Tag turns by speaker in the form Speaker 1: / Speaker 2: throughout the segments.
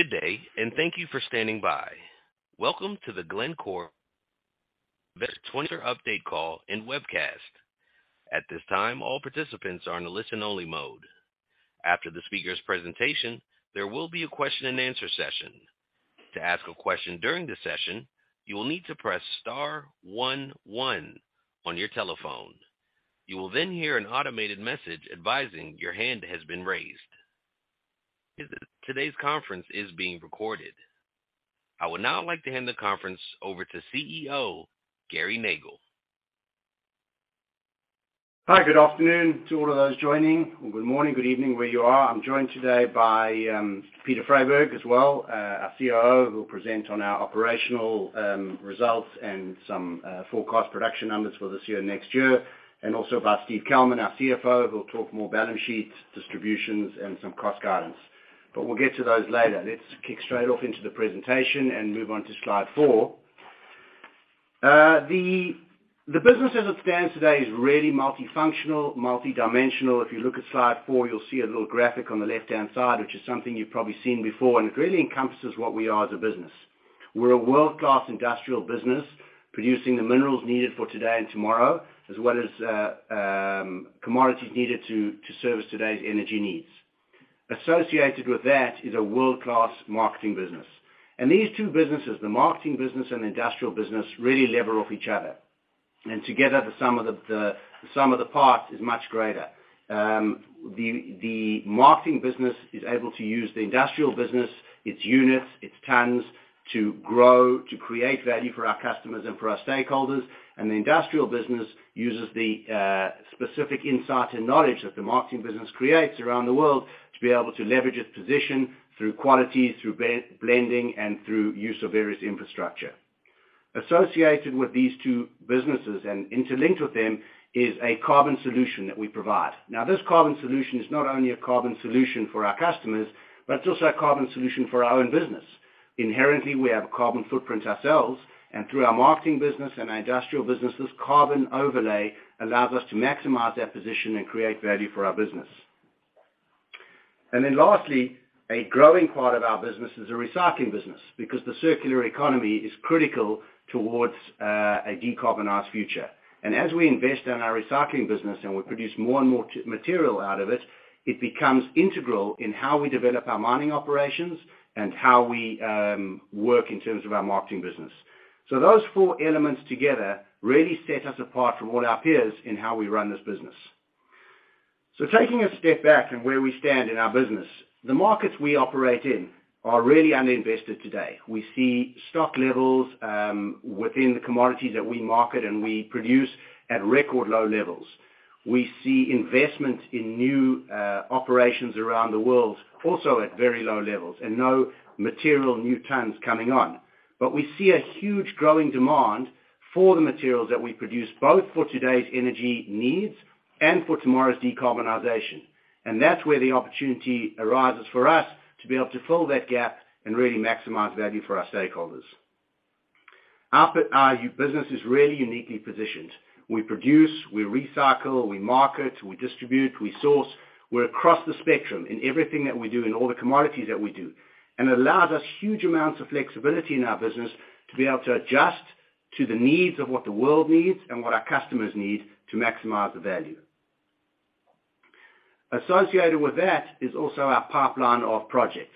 Speaker 1: Good day, and thank you for standing by. Welcome to the Glencore investor update call and webcast. At this time, all participants are in listen only mode. After the speaker's presentation, there will be a question and answer session. To ask a question during the session, you will need to press star one one on your telephone. You will then hear an automated message advising your hand has been raised. Today's conference is being recorded. I would now like to hand the conference over to Chief Executive Officer, Gary Nagle.
Speaker 2: Hi, good afternoon to all of those joining, or good morning, good evening, where you are. I'm joined today by Peter Freyberg as well, our Chief Operating Officer, who will present on our operational results and some forecast production numbers for this year, next year, and also by Steven Kalmin, our Chief Financial Officer, who will talk more balance sheets, distributions, and some cost guidance. We'll get to those later. Let's kick straight off into the presentation and move on to slide four. The business as it stands today is really multifunctional, multidimensional. If you look at slide four, you'll see a little graphic on the left-hand side, which is something you've probably seen before, and it really encompasses what we are as a business. We're a world-class industrial business producing the minerals needed for today and tomorrow, as well as commodities needed to service today's energy needs. Associated with that is a world-class marketing business. These two businesses, the marketing business and industrial business, really lever off each other. Together, the sum of the parts is much greater. The marketing business is able to use the industrial business, its units, its tons to grow, to create value for our customers and for our stakeholders. The industrial business uses the specific insight and knowledge that the marketing business creates around the world to be able to leverage its position through quality, through blending, and through use of various infrastructure. Associated with these two businesses and interlinked with them is a carbon solution that we provide. Now, this carbon solution is not only a carbon solution for our customers, but it's also a carbon solution for our own business. Inherently, we have a carbon footprint ourselves, and through our marketing business and our industrial business, this carbon overlay allows us to maximize that position and create value for our business. Lastly, a growing part of our business is a recycling business because the circular economy is critical towards a decarbonized future. As we invest in our recycling business and we produce more and more material out of it becomes integral in how we develop our mining operations and how we work in terms of our marketing business. Those four elements together really set us apart from all our peers in how we run this business. Taking a step back and where we stand in our business, the markets we operate in are really underinvested today. We see stock levels within the commodities that we market and we produce at record low levels. We see investment in new operations around the world also at very low levels and no material new tons coming on. We see a huge growing demand for the materials that we produce, both for today's energy needs and for tomorrow's decarbonization. That's where the opportunity arises for us to be able to fill that gap and really maximize value for our stakeholders. Our business is really uniquely positioned. We produce, we recycle, we market, we distribute, we source. We're across the spectrum in everything that we do and all the commodities that we do. It allows us huge amounts of flexibility in our business to be able to adjust to the needs of what the world needs and what our customers need to maximize the value. Associated with that is also our pipeline of projects.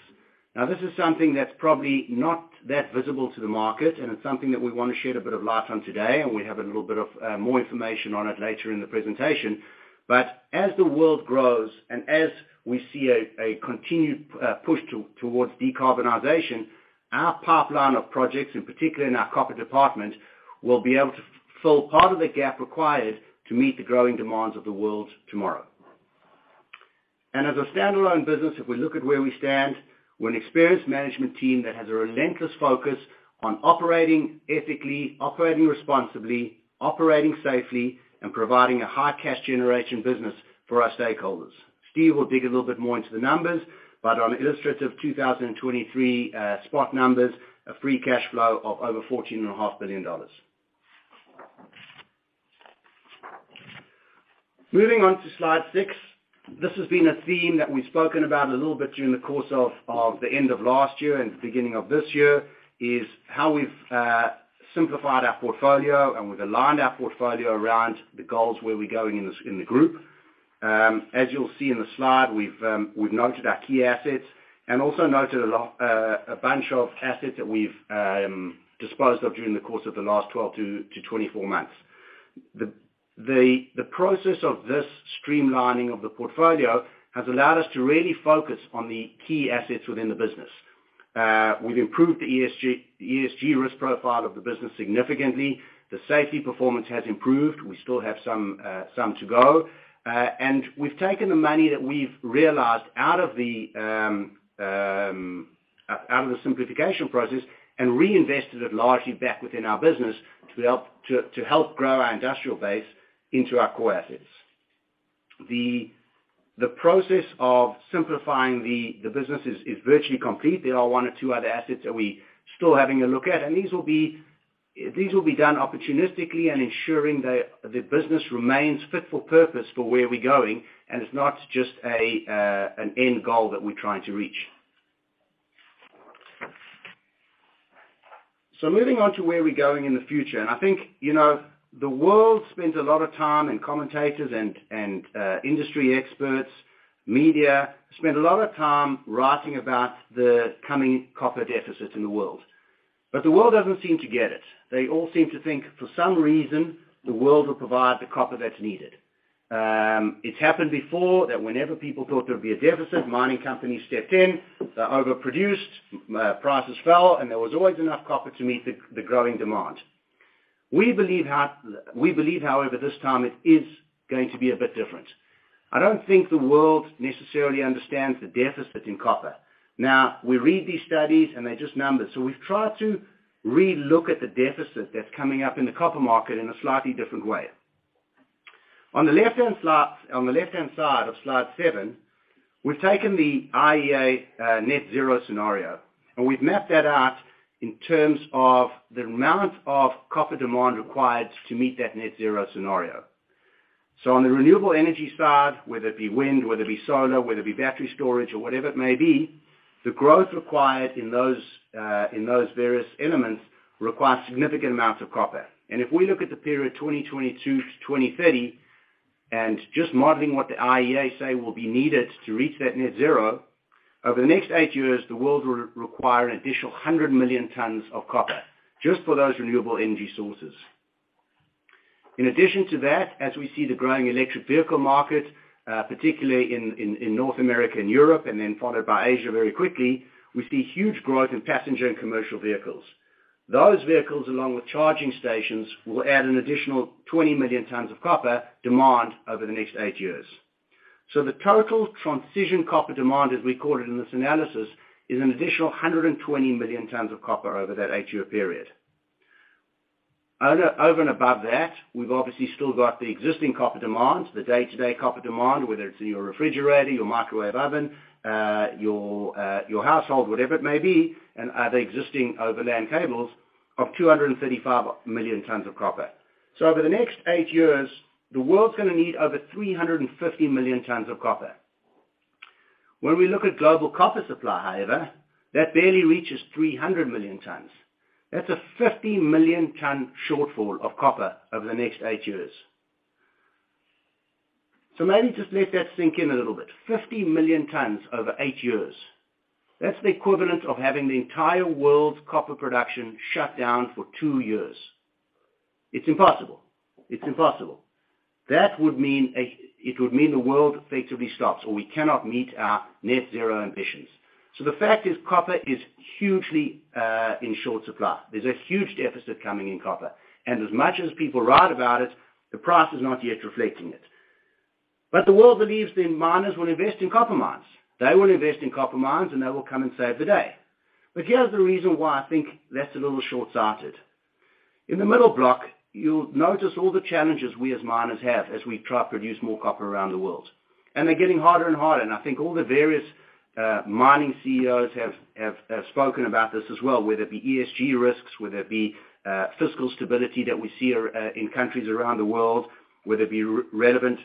Speaker 2: This is something that's probably not that visible to the market, and it's something that we wanna shed a bit of light on today, and we have a little bit of more information on it later in the presentation. As the world grows and as we see a continued push towards decarbonization, our pipeline of projects, in particular in our copper department, will be able to fill part of the gap required to meet the growing demands of the world tomorrow. As a standalone business, if we look at where we stand, we're an experienced management team that has a relentless focus on operating ethically, operating responsibly, operating safely, and providing a high cash generation business for our stakeholders. Steve will dig a little bit more into the numbers, but on illustrative 2023 spot numbers, a free cash flow of over $14 and a half billion. Moving on to slide six. This has been a theme that we've spoken about a little bit during the course of the end of last year and the beginning of this year, is how we've simplified our portfolio and we've aligned our portfolio around the goals where we're going in the group. As you'll see in the slide, we've noted our key assets and also noted a bunch of assets that we've disposed of during the course of the last 12 months-24 months. The process of this streamlining of the portfolio has allowed us to really focus on the key assets within the business. We've improved the ESG risk profile of the business significantly. The safety performance has improved. We still have some to go. And we've taken the money that we've realized out of the simplification process and reinvested it largely back within our business to help grow our industrial base into our core assets. The process of simplifying the business is virtually complete. There are one or two other assets that we still having a look at. These will be done opportunistically, ensuring the business remains fit for purpose for where we're going. It's not just an end goal that we're trying to reach. Moving on to where we're going in the future. I think, you know, the world spends a lot of time, commentators and industry experts, media spend a lot of time writing about the coming copper deficits in the world. The world doesn't seem to get it. They all seem to think for some reason, the world will provide the copper that's needed. It's happened before that whenever people thought there'd be a deficit, mining companies stepped in, they overproduced, prices fell. There was always enough copper to meet the growing demand. We believe, however, this time it is going to be a bit different. I don't think the world necessarily understands the deficit in copper. We read these studies, and they're just numbers, so we've tried to relook at the deficit that's coming up in the copper market in a slightly different way. On the left-hand side of slide seven, we've taken the IEA net zero scenario, and we've mapped that out in terms of the amount of copper demand required to meet that net zero scenario. On the renewable energy side, whether it be wind, whether it be solar, whether it be battery storage or whatever it may be, the growth required in those in those various elements requires significant amounts of copper. If we look at the period 2022-2030, and just modeling what the IEA say will be needed to reach that net zero, over the next eight years, the world will require an additional 100 million tons of copper just for those renewable energy sources. In addition to that, as we see the growing electric vehicle market, particularly in North America and Europe, and then followed by Asia very quickly, we see huge growth in passenger and commercial vehicles. Those vehicles, along with charging stations, will add an additional 20 million tons of copper demand over the next eight years. The total transition copper demand, as we call it in this analysis, is an additional 120 million tons of copper over that eight-year period. Over and above that, we've obviously still got the existing copper demand, the day-to-day copper demand, whether it's in your refrigerator, your microwave oven, your household, whatever it may be, and other existing overland cables of 235 million tons of copper. Over the next eight years, the world's gonna need over 350 million tons of copper. When we look at global copper supply, however, that barely reaches 300 million tons. That's a 50 million ton shortfall of copper over the next eight years. Maybe just let that sink in a little bit. 50 million tons over eight years. That's the equivalent of having the entire world's copper production shut down for two years. It's impossible. It's impossible. It would mean the world effectively stops, or we cannot meet our net zero ambitions. The fact is, copper is hugely in short supply. There's a huge deficit coming in copper. As much as people write about it, the price is not yet reflecting it. The world believes the miners will invest in copper mines. They will invest in copper mines, they will come and save the day. Here's the reason why I think that's a little short-sighted. In the middle block, you'll notice all the challenges we as miners have as we try to produce more copper around the world. They're getting harder and harder, I think all the various mining CEOs have spoken about this as well, whether it be ESG risks, whether it be fiscal stability that we see in countries around the world, whether it be relevant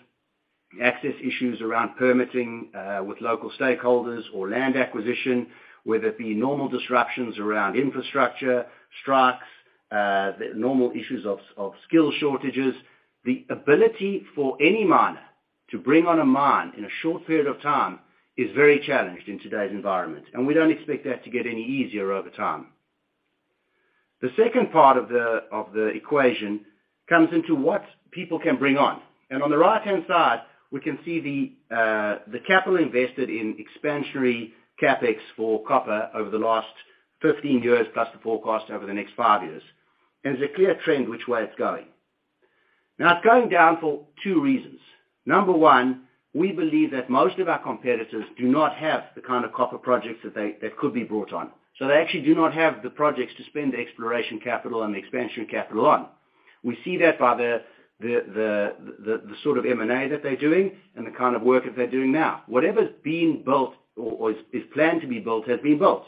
Speaker 2: access issues around permitting with local stakeholders or land acquisition, whether it be normal disruptions around infrastructure, strikes, the normal issues of skill shortages. The ability for any miner to bring on a mine in a short period of time is very challenged in today's environment, and we don't expect that to get any easier over time. The second part of the equation comes into what people can bring on. On the right-hand side, we can see the capital invested in expansionary CapEx for copper over the last 15 years+ the forecast over the next five years. There's a clear trend which way it's going. Now, it's going down for two reasons. Number one, we believe that most of our competitors do not have the kind of copper projects that could be brought on. They actually do not have the projects to spend the exploration capital and the expansion capital on. We see that by the sort of M&A that they're doing and the kind of work that they're doing now. Whatever's being built or is planned to be built has been built.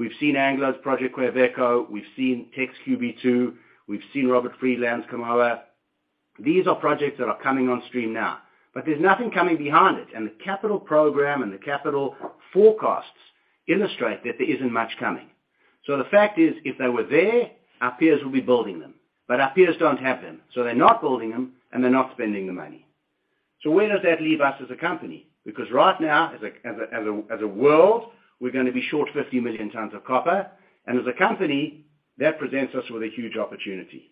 Speaker 2: We've seen Anglo's Project Quellaveco, we've seen Teck's QB2, we've seen Robert Friedland's Kamoa. These are projects that are coming on stream now. There's nothing coming behind it, and the capital program and the capital forecasts illustrate that there isn't much coming. The fact is, if they were there, our peers would be building them. Our peers don't have them, so they're not building them, and they're not spending the money. Where does that leave us as a company? Right now, as a world, we're gonna be short 50 million tons of copper. As a company, that presents us with a huge opportunity.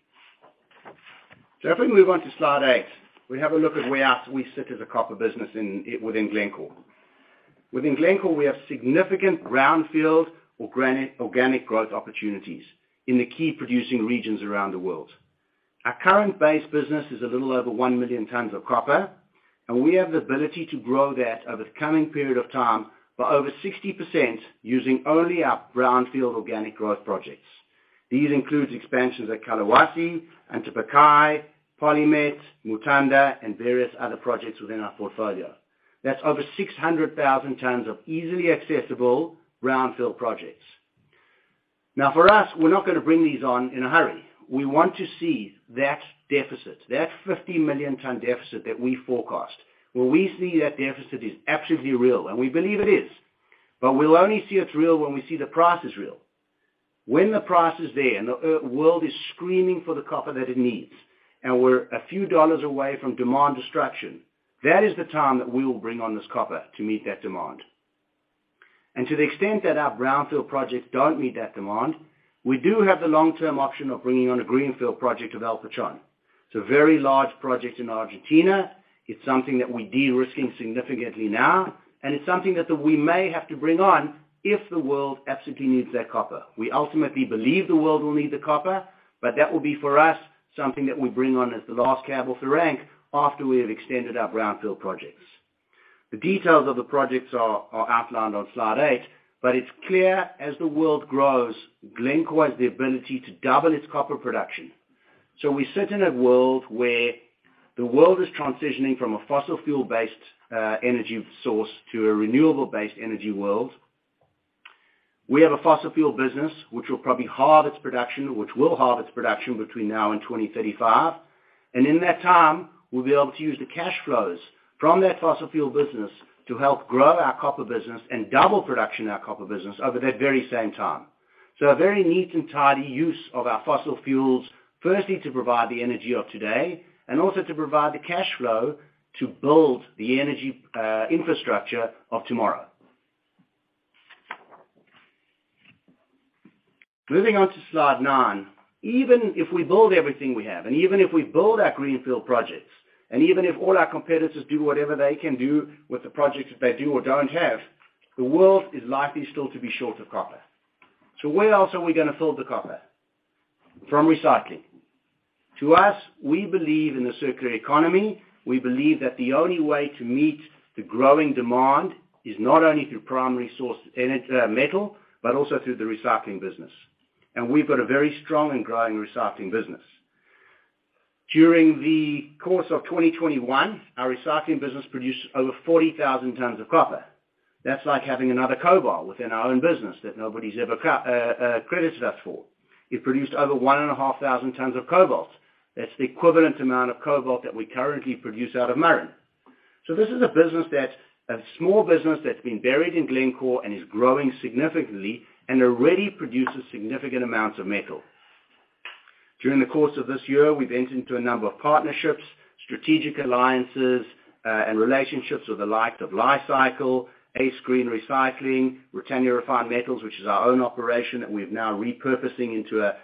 Speaker 2: If we move on to slide eight, we have a look at where else we sit as a copper business within Glencore. Within Glencore, we have significant brownfield or organic growth opportunities in the key producing regions around the world. Our current base business is a little over 1 million tons of copper, and we have the ability to grow that over the coming period of time by over 60% using only our brownfield organic growth projects. These includes expansions at Collahuasi, Antapaccay, PolyMet, Mutanda, and various other projects within our portfolio. That's over 600,000 tons of easily accessible brownfield projects. Now, for us, we're not gonna bring these on in a hurry. We want to see that deficit, that 50 million ton deficit that we forecast, where we see that deficit is absolutely real, and we believe it is, but we'll only see it's real when we see the price is real. When the price is there, and the world is screaming for the copper that it needs, and we're a few dollars away from demand destruction, that is the time that we will bring on this copper to meet that demand. To the extent that our brownfield projects don't meet that demand, we do have the long-term option of bringing on a greenfield project of El Pachón. It's a very large project in Argentina. It's something that we de-risking significantly now, and it's something that we may have to bring on if the world absolutely needs that copper. We ultimately believe the world will need the copper, but that will be for us, something that we bring on as the last cab off the rank after we have extended our brownfield projects. The details of the projects are outlined on slide eight. It's clear as the world grows, Glencore has the ability to double its copper production. We sit in a world where the world is transitioning from a fossil fuel-based energy source to a renewable-based energy world. We have a fossil fuel business which will probably halve its production between now and 2035. In that time, we'll be able to use the cash flows from that fossil fuel business to help grow our copper business and double production in our copper business over that very same time. A very neat and tidy use of our fossil fuels, firstly, to provide the energy of today and also to provide the cash flow to build the energy infrastructure of tomorrow. Moving on to slide nine. Even if we build everything we have, and even if we build our greenfield projects, and even if all our competitors do whatever they can do with the projects that they do or don't have, the world is likely still to be short of copper. Where else are we gonna fill the copper? From recycling. To us, we believe in the circular economy. We believe that the only way to meet the growing demand is not only through primary source metal, but also through the recycling business. We've got a very strong and growing recycling business. During the course of 2021, our recycling business produced over 40,000 tons of copper. That's like having another cobalt within our own business that nobody's ever credits us for. It produced over 1,500 tons of cobalt. That's the equivalent amount of cobalt that we currently produce out of Murrin. This is a business that's a small business that's been buried in Glencore and is growing significantly and already produces significant amounts of metal. During the course of this year, we've entered into a number of partnerships, strategic alliances, and relationships with the like of Li-Cycle, Ace Green Recycling, Britannia Refined Metals, which is our own operation that we're now repurposing into a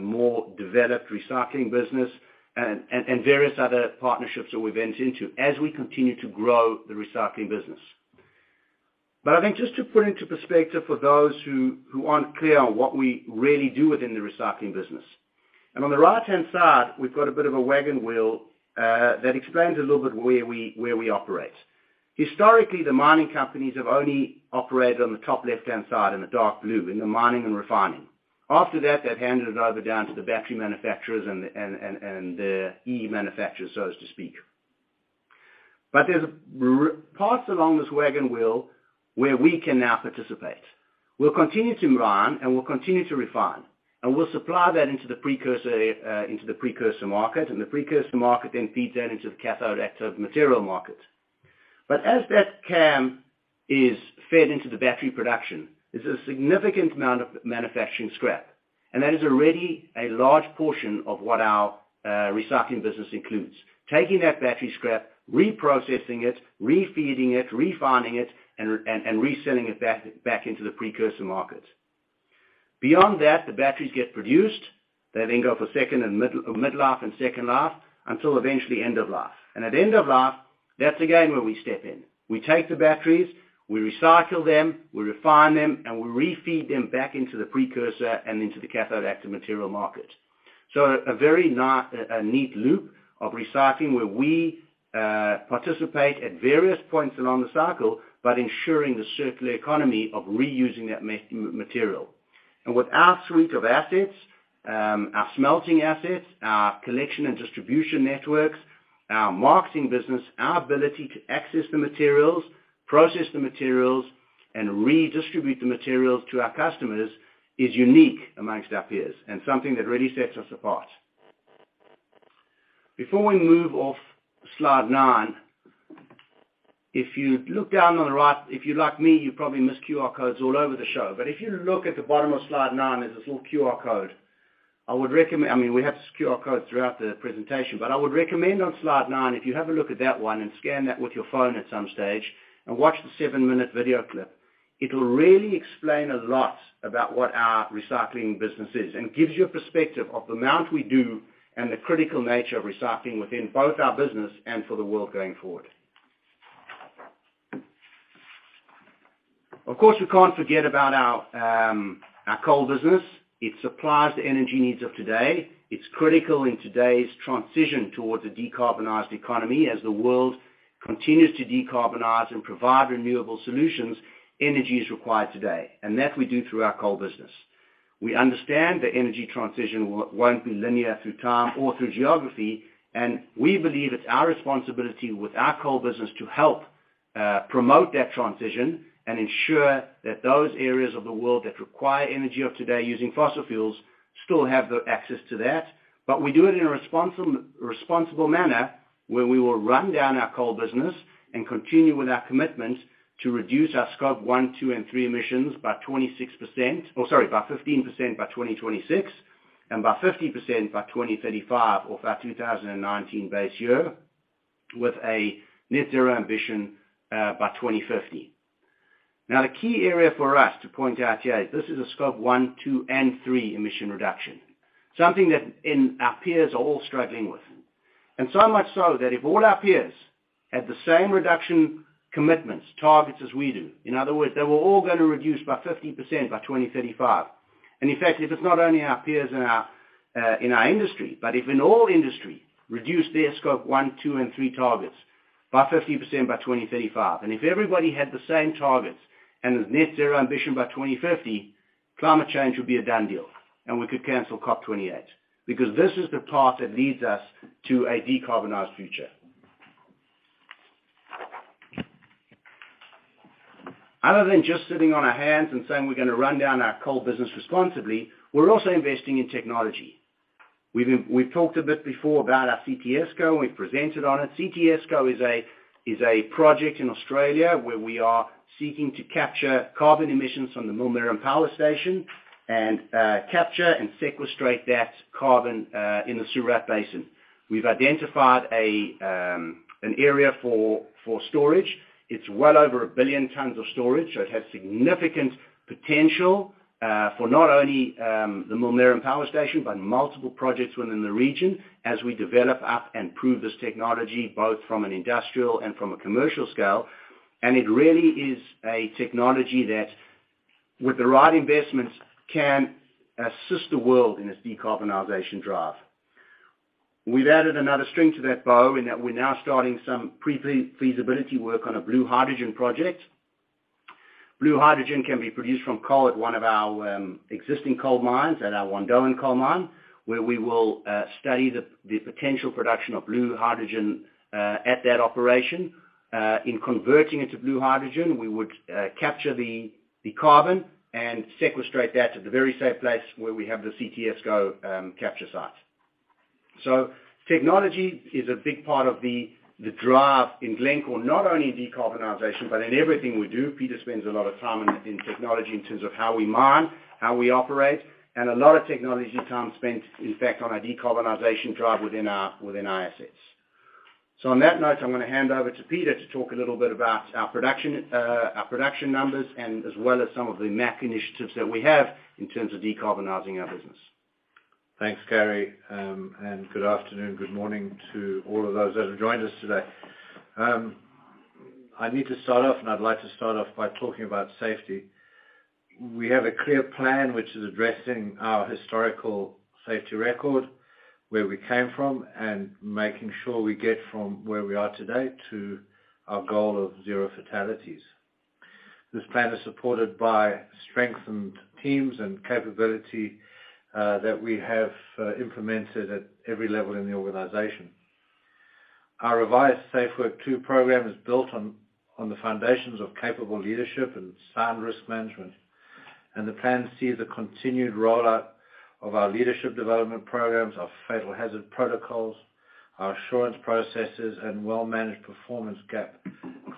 Speaker 2: more developed recycling business, and various other partnerships that we've entered into as we continue to grow the recycling business. I think just to put into perspective for those who aren't clear on what we really do within the recycling business. On the right-hand side, we've got a bit of a wagon wheel that explains a little bit where we operate. Historically, the mining companies have only operated on the top left-hand side in the dark blue, in the mining and refining. They've handed it over down to the battery manufacturers and the EV manufacturers, so as to speak. There's parts along this wagon wheel where we can now participate. We'll continue to mine, and we'll continue to refine, and we'll supply that into the precursor, into the precursor market, and the precursor market then feeds that into the cathode active material market. As that CAM is fed into the battery production, there's a significant amount of manufacturing scrap, and that is already a large portion of what our recycling business includes. Taking that battery scrap, reprocessing it, refeeding it, refining it, and reselling it back into the precursor market. Beyond that, the batteries get produced. They then go for second and mid life and second life until eventually end of life. At end of life, that's again where we step in. We take the batteries, we recycle them, we refine them, and we refeed them back into the precursor and into the cathode active material market. A very neat loop of recycling where we participate at various points along the cycle, but ensuring the circular economy of reusing that material. With our suite of assets, our smelting assets, our collection and distribution networks, our marketing business, our ability to access the materials, process the materials, and redistribute the materials to our customers is unique amongst our peers and something that really sets us apart. Before we move off slide nine, if you look down on the right... If you're like me, you probably missed QR codes all over the show. If you look at the bottom of slide nine, there's this little QR code. I mean, we have QR codes throughout the presentation, but I would recommend on slide nine, if you have a look at that one and scan that with your phone at some stage and watch the seven-minute video clip, it'll really explain a lot about what our recycling business is and gives you a perspective of the amount we do and the critical nature of recycling within both our business and for the world going forward. We can't forget about our coal business. It supplies the energy needs of today. It's critical in today's transition towards a decarbonized economy. As the world continues to decarbonize and provide renewable solutions, energy is required today, and that we do through our coal business. We understand the energy transition won't be linear through time or through geography, and we believe it's our responsibility with our coal business to help promote that transition and ensure that those areas of the world that require energy of today using fossil fuels still have the access to that. We do it in a responsible manner, where we will run down our coal business and continue with our commitment to reduce our Scope 1, Scope 2 and Scope 3 emissions by 15% by 2026, and by 50% by 2035 of our 2019 base year, with a net zero ambition by 2050. The key area for us to point out here, this is a Scope 1, Scope 2 and Scope 3 emission reduction, something that our peers are all struggling with. So much so that if all our peers had the same reduction commitments, targets as we do, in other words, they were all gonna reduce by 50% by 2035. In fact, if it's not only our peers in our in our industry, but if in all industry reduce their Scope 1, Scope 2 and Scope 3 targets by 50% by 2035, and if everybody had the same targets and with net zero ambition by 2050, climate change would be a done deal and we could cancel COP28. This is the path that leads us to a decarbonized future. Other than just sitting on our hands and saying we're gonna run down our coal business responsibly, we're also investing in technology. We've talked a bit before about our CTSCo, and we've presented on it. CTSCo is a project in Australia where we are seeking to capture carbon emissions from the Millmerran Power Station and capture and sequestrate that carbon in the Surat Basin. We've identified an area for storage. It's well over 1 billion tons of storage, so it has significant potential for not only the Millmerran Power Station, but multiple projects within the region as we develop up and prove this technology, both from an industrial and from a commercial scale. It really is a technology that, with the right investments, can assist the world in this decarbonization drive. We've added another string to that bow in that we're now starting some pre-feasibility work on a blue hydrogen project. Blue hydrogen can be produced from coal at one of our existing coal mines, at our Wandoan coal mine, where we will study the potential production of blue hydrogen at that operation. In converting it to blue hydrogen, we would capture the carbon and sequestrate that at the very same place where we have the CTSCo capture site. Technology is a big part of the drive in Glencore, not only decarbonization, but in everything we do. Peter spends a lot of time in technology in terms of how we mine, how we operate, and a lot of technology time spent, in fact, on a decarbonization drive within our assets. On that note, I'm gonna hand over to Peter to talk a little bit about our production, our production numbers, and as well as some of the map initiatives that we have in terms of decarbonizing our business.
Speaker 3: Thanks, Gary. Good afternoon, good morning to all of those that have joined us today. I need to start off, I'd like to start off by talking about safety. We have a clear plan which is addressing our historical safety record, where we came from, and making sure we get from where we are today to our goal of zero fatalities. This plan is supported by strengthened teams and capability that we have implemented at every level in the organization. Our revised SafeWork two program is built on the foundations of capable leadership and sound risk management. The plan sees a continued rollout of our leadership development programs, our fatal hazard protocols, our assurance processes, and well-managed performance gap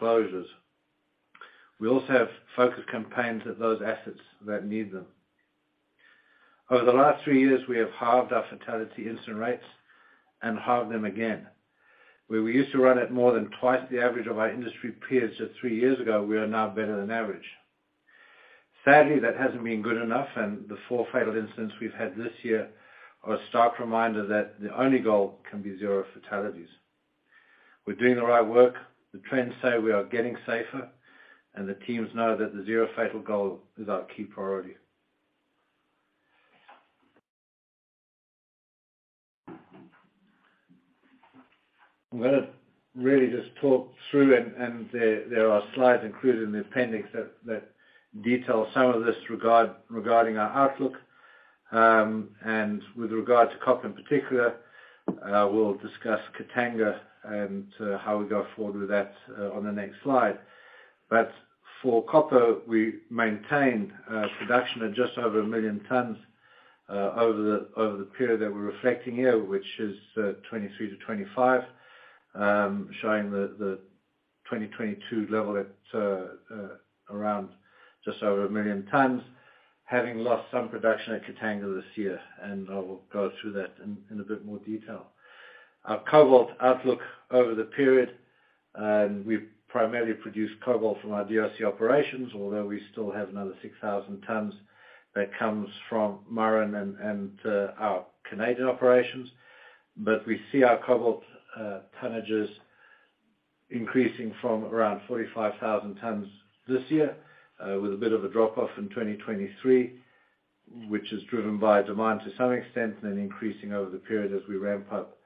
Speaker 3: closures. We also have focused campaigns at those assets that need them. Over the last three years, we have halved our fatality incident rates and halved them again. Where we used to run at more than twice the average of our industry peers just three years ago, we are now better than average. Sadly, that hasn't been good enough, the four fatal incidents we've had this year are a stark reminder that the only goal can be zero fatalities. We're doing the right work, the trends say we are getting safer, and the teams know that the zero fatal goal is our key priority. I'm gonna really just talk through and there are slides included in the appendix that detail some of this regarding our outlook. With regard to copper in particular, we'll discuss Katanga and how we go forward with that on the next slide. For copper, we maintained production at just over 1 million tons over the period that we're reflecting here, which is 2023-2025, showing the 2022 level at around just over 1 million tons, having lost some production at Katanga this year, and I will go through that in a bit more detail. Our cobalt outlook over the period, we primarily produce cobalt from our DRC operations, although we still have another 6,000 tons that comes from Murrin and our Canadian operations. we see our cobalt tonnages increasing from around 45,000 tons this year with a bit of a drop-off in 2023, which is driven by demand to some extent, and then increasing over the period as we ramp up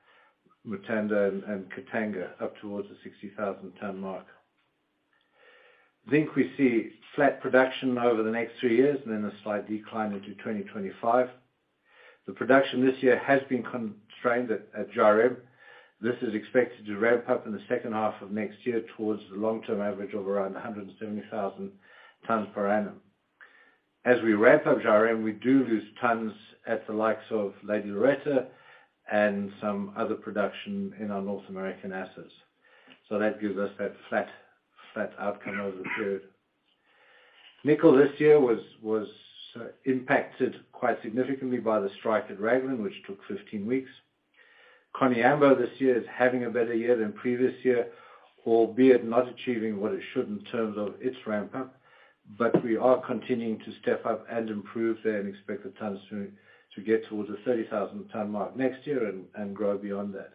Speaker 3: Mutanda and Katanga up towards the 60,000 ton mark. Zinc, we see flat production over the next three years and then a slight decline into 2025. The production this year has been constrained at Zhairem. This is expected to ramp up in the second half of next year towards the long-term average of around 170,000 tons per annum. As we ramp up Zhairem, we do lose tons at the likes of Lady Loretta and some other production in our North American assets. That gives us that flat outcome over the period. Nickel this year was impacted quite significantly by the strike at Raglan, which took 15 weeks. Koniambo this year is having a better year than previous year, albeit not achieving what it should in terms of its ramp-up, but we are continuing to step up and improve there and expect the tons to get towards the 30,000 ton mark next year and grow beyond that.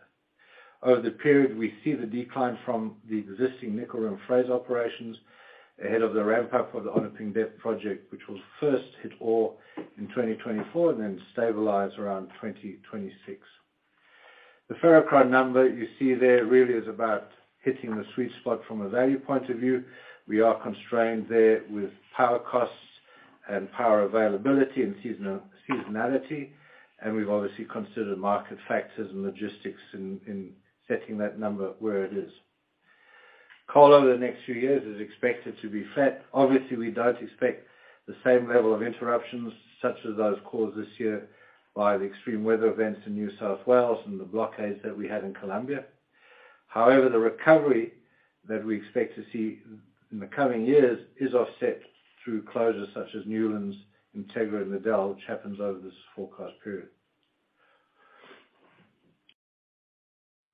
Speaker 3: Over the period, we see the decline from the existing nickel and phrase operations ahead of the ramp-up for the Onaping Depth Project, which will first hit ore in 2024, then stabilize around 2026. The ferrochrome number you see there really is about hitting the sweet spot from a value point of view. We are constrained there with power costs and power availability and season-seasonality, and we've obviously considered market factors and logistics in setting that number where it is. Coal over the next few years is expected to be flat. Obviously, we don't expect the same level of interruptions such as those caused this year by the extreme weather events in New South Wales and the blockades that we had in Colombia. However, the recovery that we expect to see in the coming years is offset through closures such as Newlands, Integra, and Liddell, which happens over this forecast period.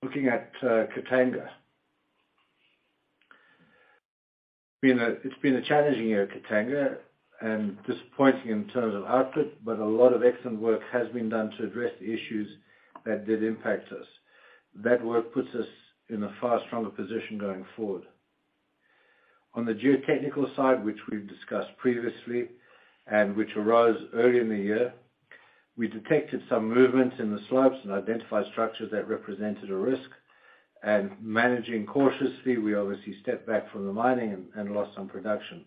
Speaker 3: Looking at Katanga. It's been a challenging year at Katanga and disappointing in terms of output, but a lot of excellent work has been done to address the issues that did impact us. That work puts us in a far stronger position going forward. On the geotechnical side, which we've discussed previously and which arose early in the year, we detected some movements in the slopes and identified structures that represented a risk. Managing cautiously, we obviously stepped back from the mining and lost some production.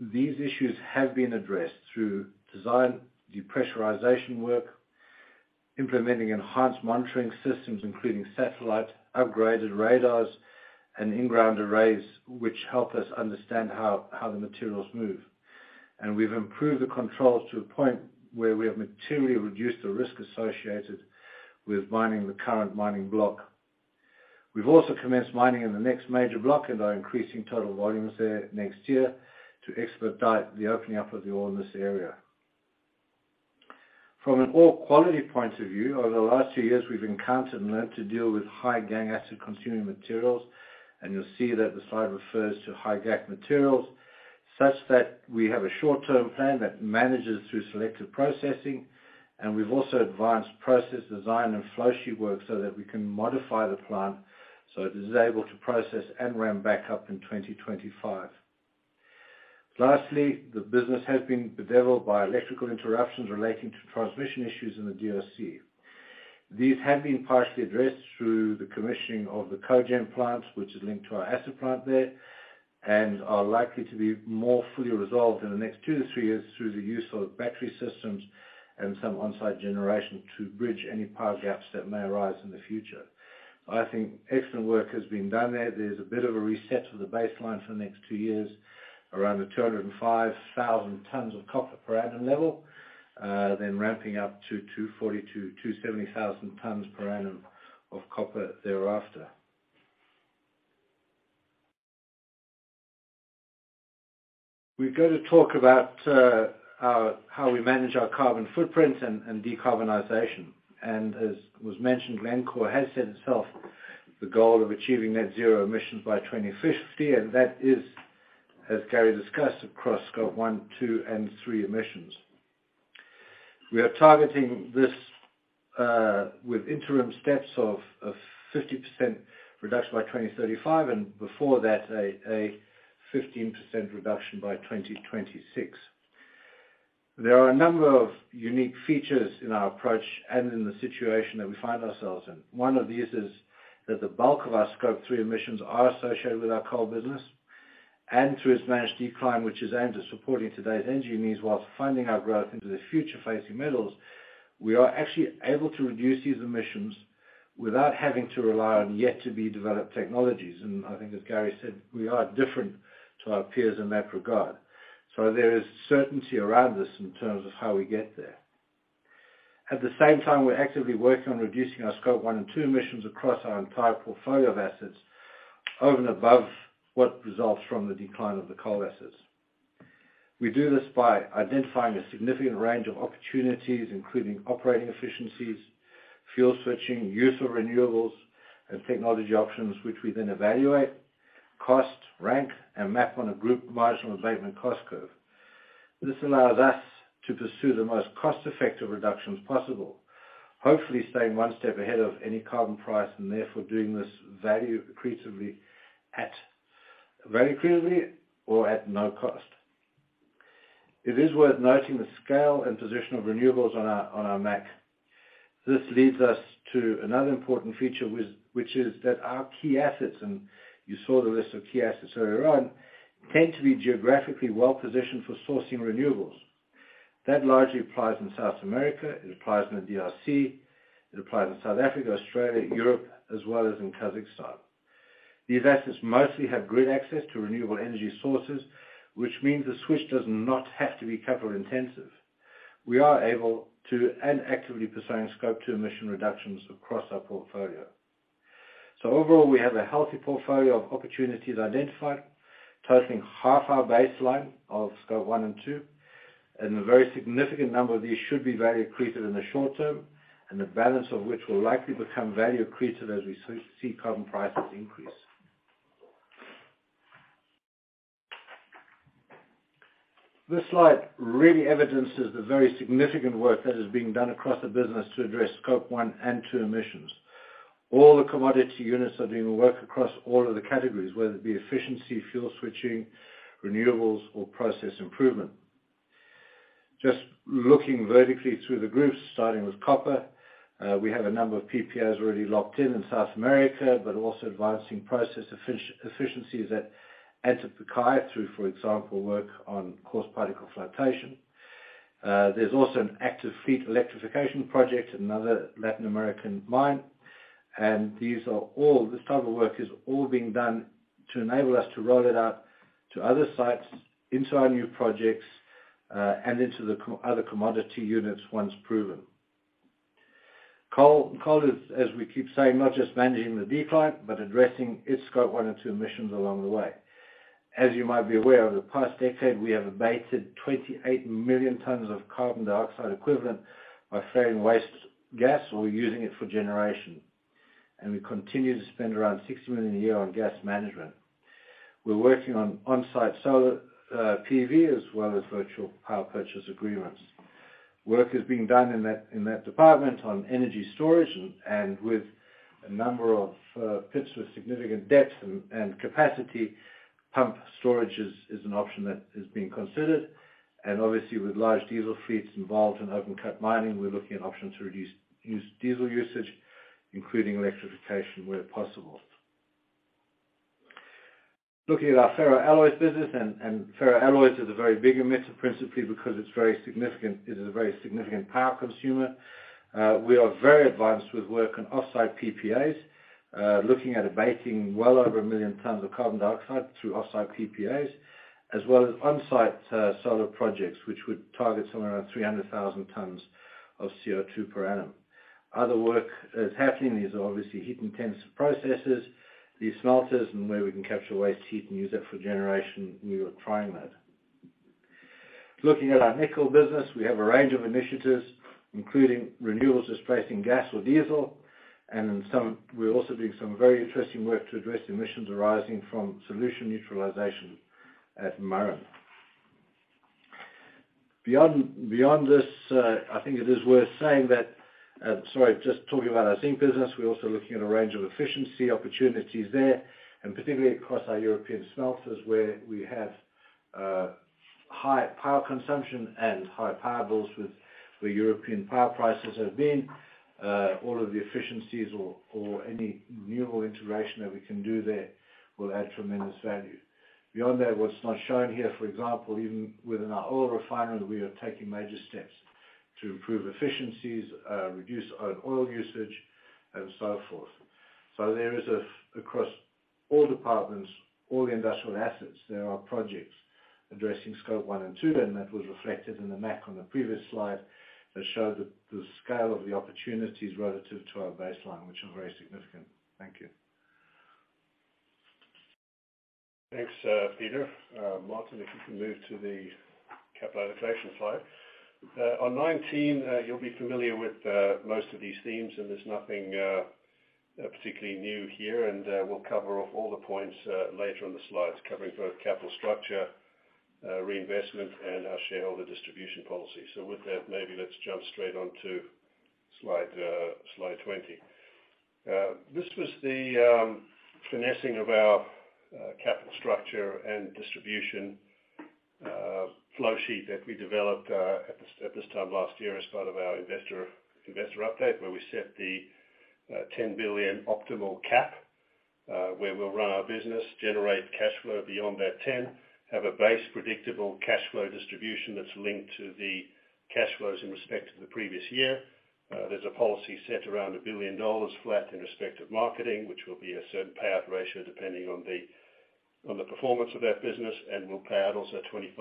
Speaker 3: These issues have been addressed through design, depressurization work, implementing enhanced monitoring systems, including satellite, upgraded radars and in-ground arrays, which help us understand how the materials move. We've improved the controls to a point where we have materially reduced the risk associated with mining the current mining block. We've also commenced mining in the next major block and are increasing total volumes there next year to expedite the opening up of the ore in this area. From an ore quality point of view, over the last two years, we've encountered and learned to deal with high gangue acid-consuming materials, and you'll see that the slide refers to high GAC materials, such that we have a short-term plan that manages through selective processing. We've also advanced process design and flow sheet work so that we can modify the plant so it is able to process and ramp back up in 2025. Lastly, the business has been bedeviled by electrical interruptions relating to transmission issues in the DRC. These have been partially addressed through the commissioning of the cogen plant, which is linked to our acid plant there, and are likely to be more fully resolved in the next two to three years through the use of battery systems and some on-site generation to bridge any power gaps that may arise in the future. I think excellent work has been done there. There's a bit of a reset to the baseline for the next two years, around the 205,000 tons of copper per annum level, then ramping up to 240,000-270,000 tons per annum of copper thereafter. We've got to talk about how we manage our carbon footprint and decarbonization. As was mentioned, Glencore has set itself the goal of achieving net zero emissions by 2050, and that is, as Gary discussed, across Scope 1, Scope 2, and Scope 3 emissions. We are targeting this with interim steps of 50% reduction by 2035, and before that, a 15% reduction by 2026. There are a number of unique features in our approach and in the situation that we find ourselves in. One of these is that the bulk of our Scope 3 emissions are associated with our coal business. Through its managed decline, which is aimed at supporting today's energy needs whilst finding our growth into the future facing metals, we are actually able to reduce these emissions without having to rely on yet to be developed technologies. I think as Gary said, we are different to our peers in that regard. There is certainty around us in terms of how we get there. At the same time, we're actively working on reducing our Scope 1 and Scope 2 emissions across our entire portfolio of assets over and above what results from the decline of the coal assets. We do this by identifying a significant range of opportunities, including operating efficiencies, fuel switching, use of renewables, and technology options, which we then evaluate, cost, rank, and map on a group marginal abatement cost curve. This allows us to pursue the most cost-effective reductions possible, hopefully staying one step ahead of any carbon price, and therefore doing this value accretively or at no cost. It is worth noting the scale and position of renewables on our MAC. This leads us to another important feature which is that our key assets, and you saw the list of key assets earlier on, tend to be geographically well-positioned for sourcing renewables. That largely applies in South America, it applies in the DRC, it applies in South Africa, Australia, Europe, as well as in Kazakhstan. These assets mostly have grid access to renewable energy sources, which means the switch does not have to be capital intensive. We are able to and actively pursuing Scope 2 emission reductions across our portfolio. Overall, we have a healthy portfolio of opportunities identified, totaling half our baseline of Scope 1 and Scope 2, and a very significant number of these should be value accretive in the short term, and the balance of which will likely become value accretive as we see carbon prices increase. This slide really evidences the very significant work that is being done across the business to address Scope 1 and Scope 2 emissions. All the commodity units are doing work across all of the categories, whether it be efficiency, fuel switching, renewables, or process improvement. Just looking vertically through the groups, starting with copper, we have a number of PPAs already locked in in South America, but also advancing process efficiencies at Antapaccay through, for example, work on coarse particle flotation. There's also an active fleet electrification project, another Latin American mine. This type of work is all being done to enable us to roll it out to other sites, into our new projects, and into the other commodity units once proven. Coal. Coal is, as we keep saying, not just managing the decline, but addressing its Scope 1 and Scope 2 emissions along the way. As you might be aware, over the past decade, we have abated 28 million tons of carbon dioxide equivalent by flaring waste gas or using it for generation. We continue to spend around $60 million a year on gas management. We're working on on-site solar, PV, as well as virtual power purchase agreements. Work is being done in that department on energy storage and with a number of pits with significant depth and capacity, pump storage is an option that is being considered. Obviously, with large diesel fleets involved in open cut mining, we're looking at options to reduce diesel usage, including electrification where possible. Looking at our ferroalloys business and ferroalloys is a very big emitter principally because it is a very significant power consumer. We are very advanced with work on off-site PPAs, looking at abating well over 1 million tons of carbon dioxide through off-site PPAs, as well as on-site solar projects, which would target somewhere around 300,000 tons of CO2 per annum. Other work that is happening is obviously heat-intensive processes, the smelters, and where we can capture waste heat and use that for generation, we are trying that. Looking at our nickel business, we have a range of initiatives, including renewables displacing gas or diesel, and we're also doing some very interesting work to address emissions arising from solution neutralization at Murrin. Beyond this, I think it is worth saying that... Sorry, just talking about our zinc business. We're also looking at a range of efficiency opportunities there. Particularly across our European smelters, where we have high power consumption and high power bills with where European power prices have been, all of the efficiencies or any renewable integration that we can do there will add tremendous value. Beyond that, what's not shown here, for example, even within our oil refinery, we are taking major steps to improve efficiencies, reduce our oil usage, and so forth. Across all departments, all the industrial assets, there are projects addressing Scope 1 and Scope 2, and that was reflected in the MAC on the previous slide that showed the scale of the opportunities relative to our baseline, which are very significant. Thank you.
Speaker 4: Thanks, Peter. Martin, if you can move to the capital allocation slide. On Slide 19, you'll be familiar with most of these themes, and there's nothing particularly new here, and we'll cover off all the points later on the slides, covering both capital structure, reinvestment, and our shareholder distribution policy. With that, maybe let's jump straight onto Slide 20. This was the finessing of our capital structure and distribution flow sheet that we developed at this time last year as part of our investor update, where we set the $10 billion optimal cap, where we'll run our business, generate cash flow beyond that $10 billion, have a base predictable cash flow distribution that's linked to the cash flows in respect to the previous year. There's a policy set around $1 billion flat in respect of marketing, which will be a certain payout ratio depending on the performance of that business and we'll payout also 25%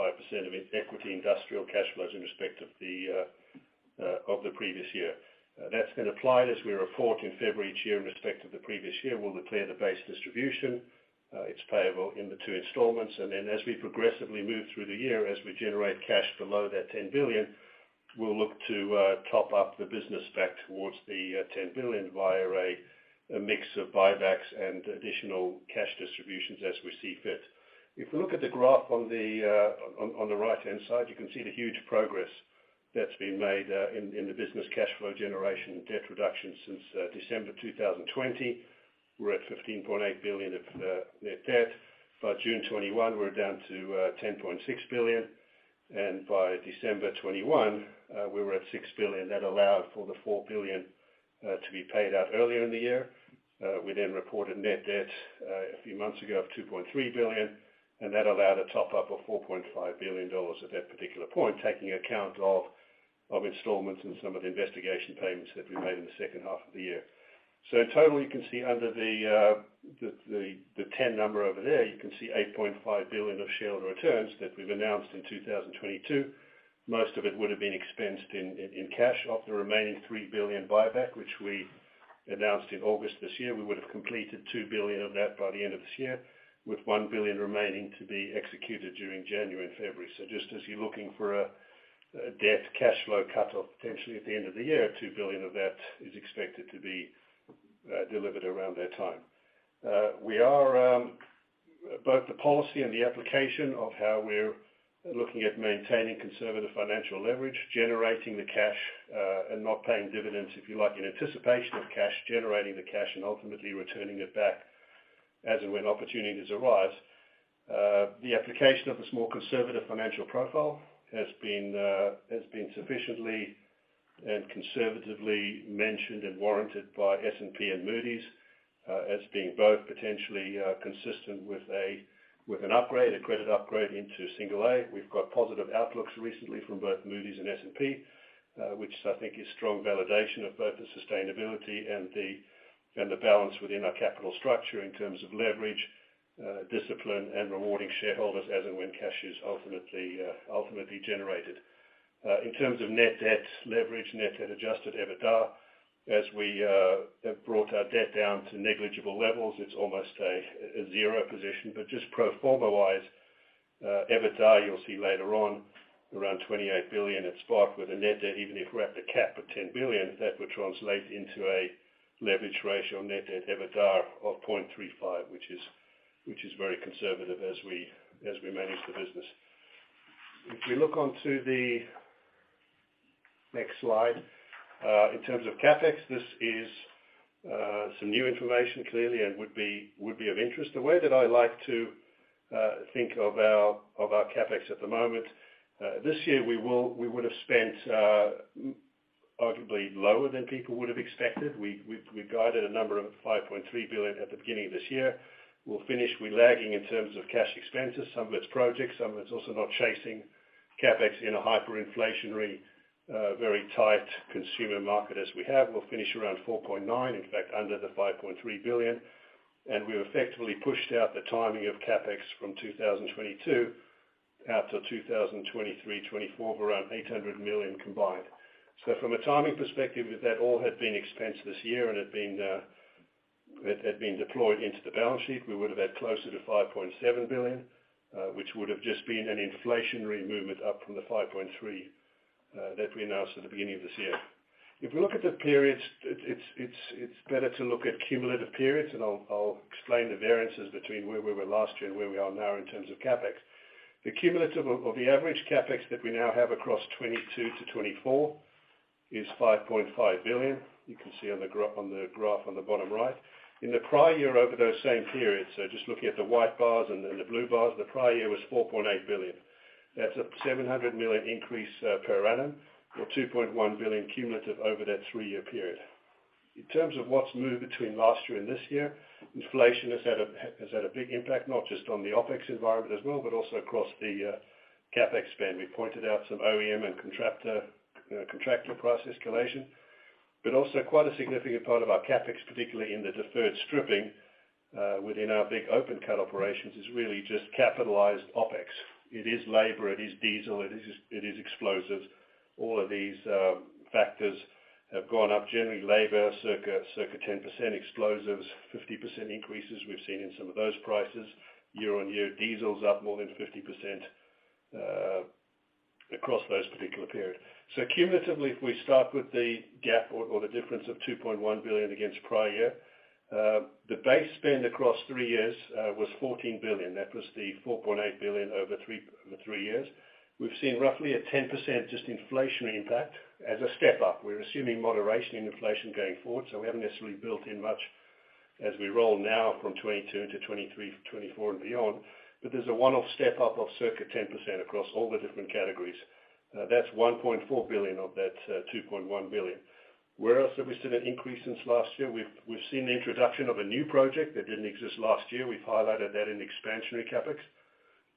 Speaker 4: of equity industrial cash flows in respect of the previous year. That's been applied as we report in February each year in respect of the previous year. We'll declare the base distribution, it's payable in the two installments, then as we progressively move through the year, as we generate cash below that $10 billion, we'll look to top up the business back towards the $10 billion via a mix of buybacks and additional cash distributions as we see fit. If you look at the graph on the right-hand side, you can see the huge progress that's been made in the business cash flow generation and debt reduction since December 2020. We're at $15.8 billion of net debt. By June 2021, we're down to $10.6 billion. By December 2021, we were at $6 billion. That allowed for the $4 billion to be paid out earlier in the year. We then reported net debt a few months ago of $2.3 billion, and that allowed a top up of $4.5 billion at that particular point, taking account of installments and some of the investigation payments that we made in the second half of the year. In total, you can see under the $10 billion number over there, you can see $8.5 billion of shareholder returns that we've announced in 2022. Most of it would have been expensed in cash. Of the remaining $3 billion buyback, which we announced in August this year, we would have completed $2 billion of that by the end of this year, with $1 billion remaining to be executed during January and February. Just as you're looking for a debt cash flow cut-off potentially at the end of the year, $2 billion of that is expected to be delivered around that time. We are both the policy and the application of how we're looking at maintaining conservative financial leverage, generating the cash, and not paying dividends, if you like, in anticipation of cash, generating the cash, and ultimately returning it back as and when opportunities arise. The application of this more conservative financial profile has been sufficiently and conservatively mentioned and warranted by S&P and Moody's as being both potentially consistent with a credit upgrade into single A. We've got positive outlooks recently from both Moody's and S&P, which I think is strong validation of both the sustainability and the balance within our capital structure in terms of leverage discipline, and rewarding shareholders as and when cash is ultimately generated. In terms of net debt leverage, net debt adjusted EBITDA, as we have brought our debt down to negligible levels, it's almost a zero position. Just pro forma-wise, EBITDA, you'll see later on, around $28 billion at spot with a net debt, even if we're at the cap of $10 billion, that would translate into a leverage ratio net debt EBITDA of 0.35x, which is very conservative as we manage the business. If we look onto the next slide, in terms of CapEx, this is some new information clearly and would be of interest. The way that I like to think of our CapEx at the moment, this year we would have spent arguably lower than people would have expected. We guided a number of $5.3 billion at the beginning of this year. We'll finish with lagging in terms of cash expenses, some of it's projects, some of it's also not chasing CapEx in a hyperinflationary, very tight consumer market as we have. We'll finish around $4.9 billion, in fact under the $5.3 billion. We've effectively pushed out the timing of CapEx from 2022 out to 2023-2024 of around $800 million combined. From a timing perspective, if that all had been expensed this year and had been deployed into the balance sheet, we would have had closer to $5.7 billion, which would have just been an inflationary movement up from the $5.3 billion that we announced at the beginning of this year. If we look at the periods, it's better to look at cumulative periods. I'll explain the variances between where we were last year and where we are now in terms of CapEx. The cumulative of the average CapEx that we now have across 2022-2024 is $5.5 billion. You can see on the graph on the bottom right. In the prior year over those same periods, just looking at the white bars and the blue bars, the prior year was $4.8 billion. That's a $700 million increase per annum or $2.1 billion cumulative over that three-year period. In terms of what's moved between last year and this year, inflation has had a big impact, not just on the OpEx environment as well, but also across the CapEx spend. We pointed out some OEM and contractor price escalation, but also quite a significant part of our CapEx, particularly in the deferred stripping within our big open cut operations, is really just capitalized OpEx. It is labor, it is diesel, it is explosives. All of these factors have gone up. Generally, labor circa 10%, explosives 50% increases we've seen in some of those prices year on year. Diesel's up more than 50% across those particular period. Cumulatively, if we start with the gap or the difference of $2.1 billion against prior year, the base spend across three years was $14 billion. That was the $4.8 billion over three years. We've seen roughly a 10% just inflationary impact as a step up. We're assuming moderation in inflation going forward, we haven't necessarily built in much as we roll now from 2022 into 2023, 2024 and beyond. There's a one-off step up of circa 10% across all the different categories. That's $1.4 billion of that $2.1 billion. Where else have we seen an increase since last year? We've seen the introduction of a new project that didn't exist last year. We've highlighted that in expansionary CapEx.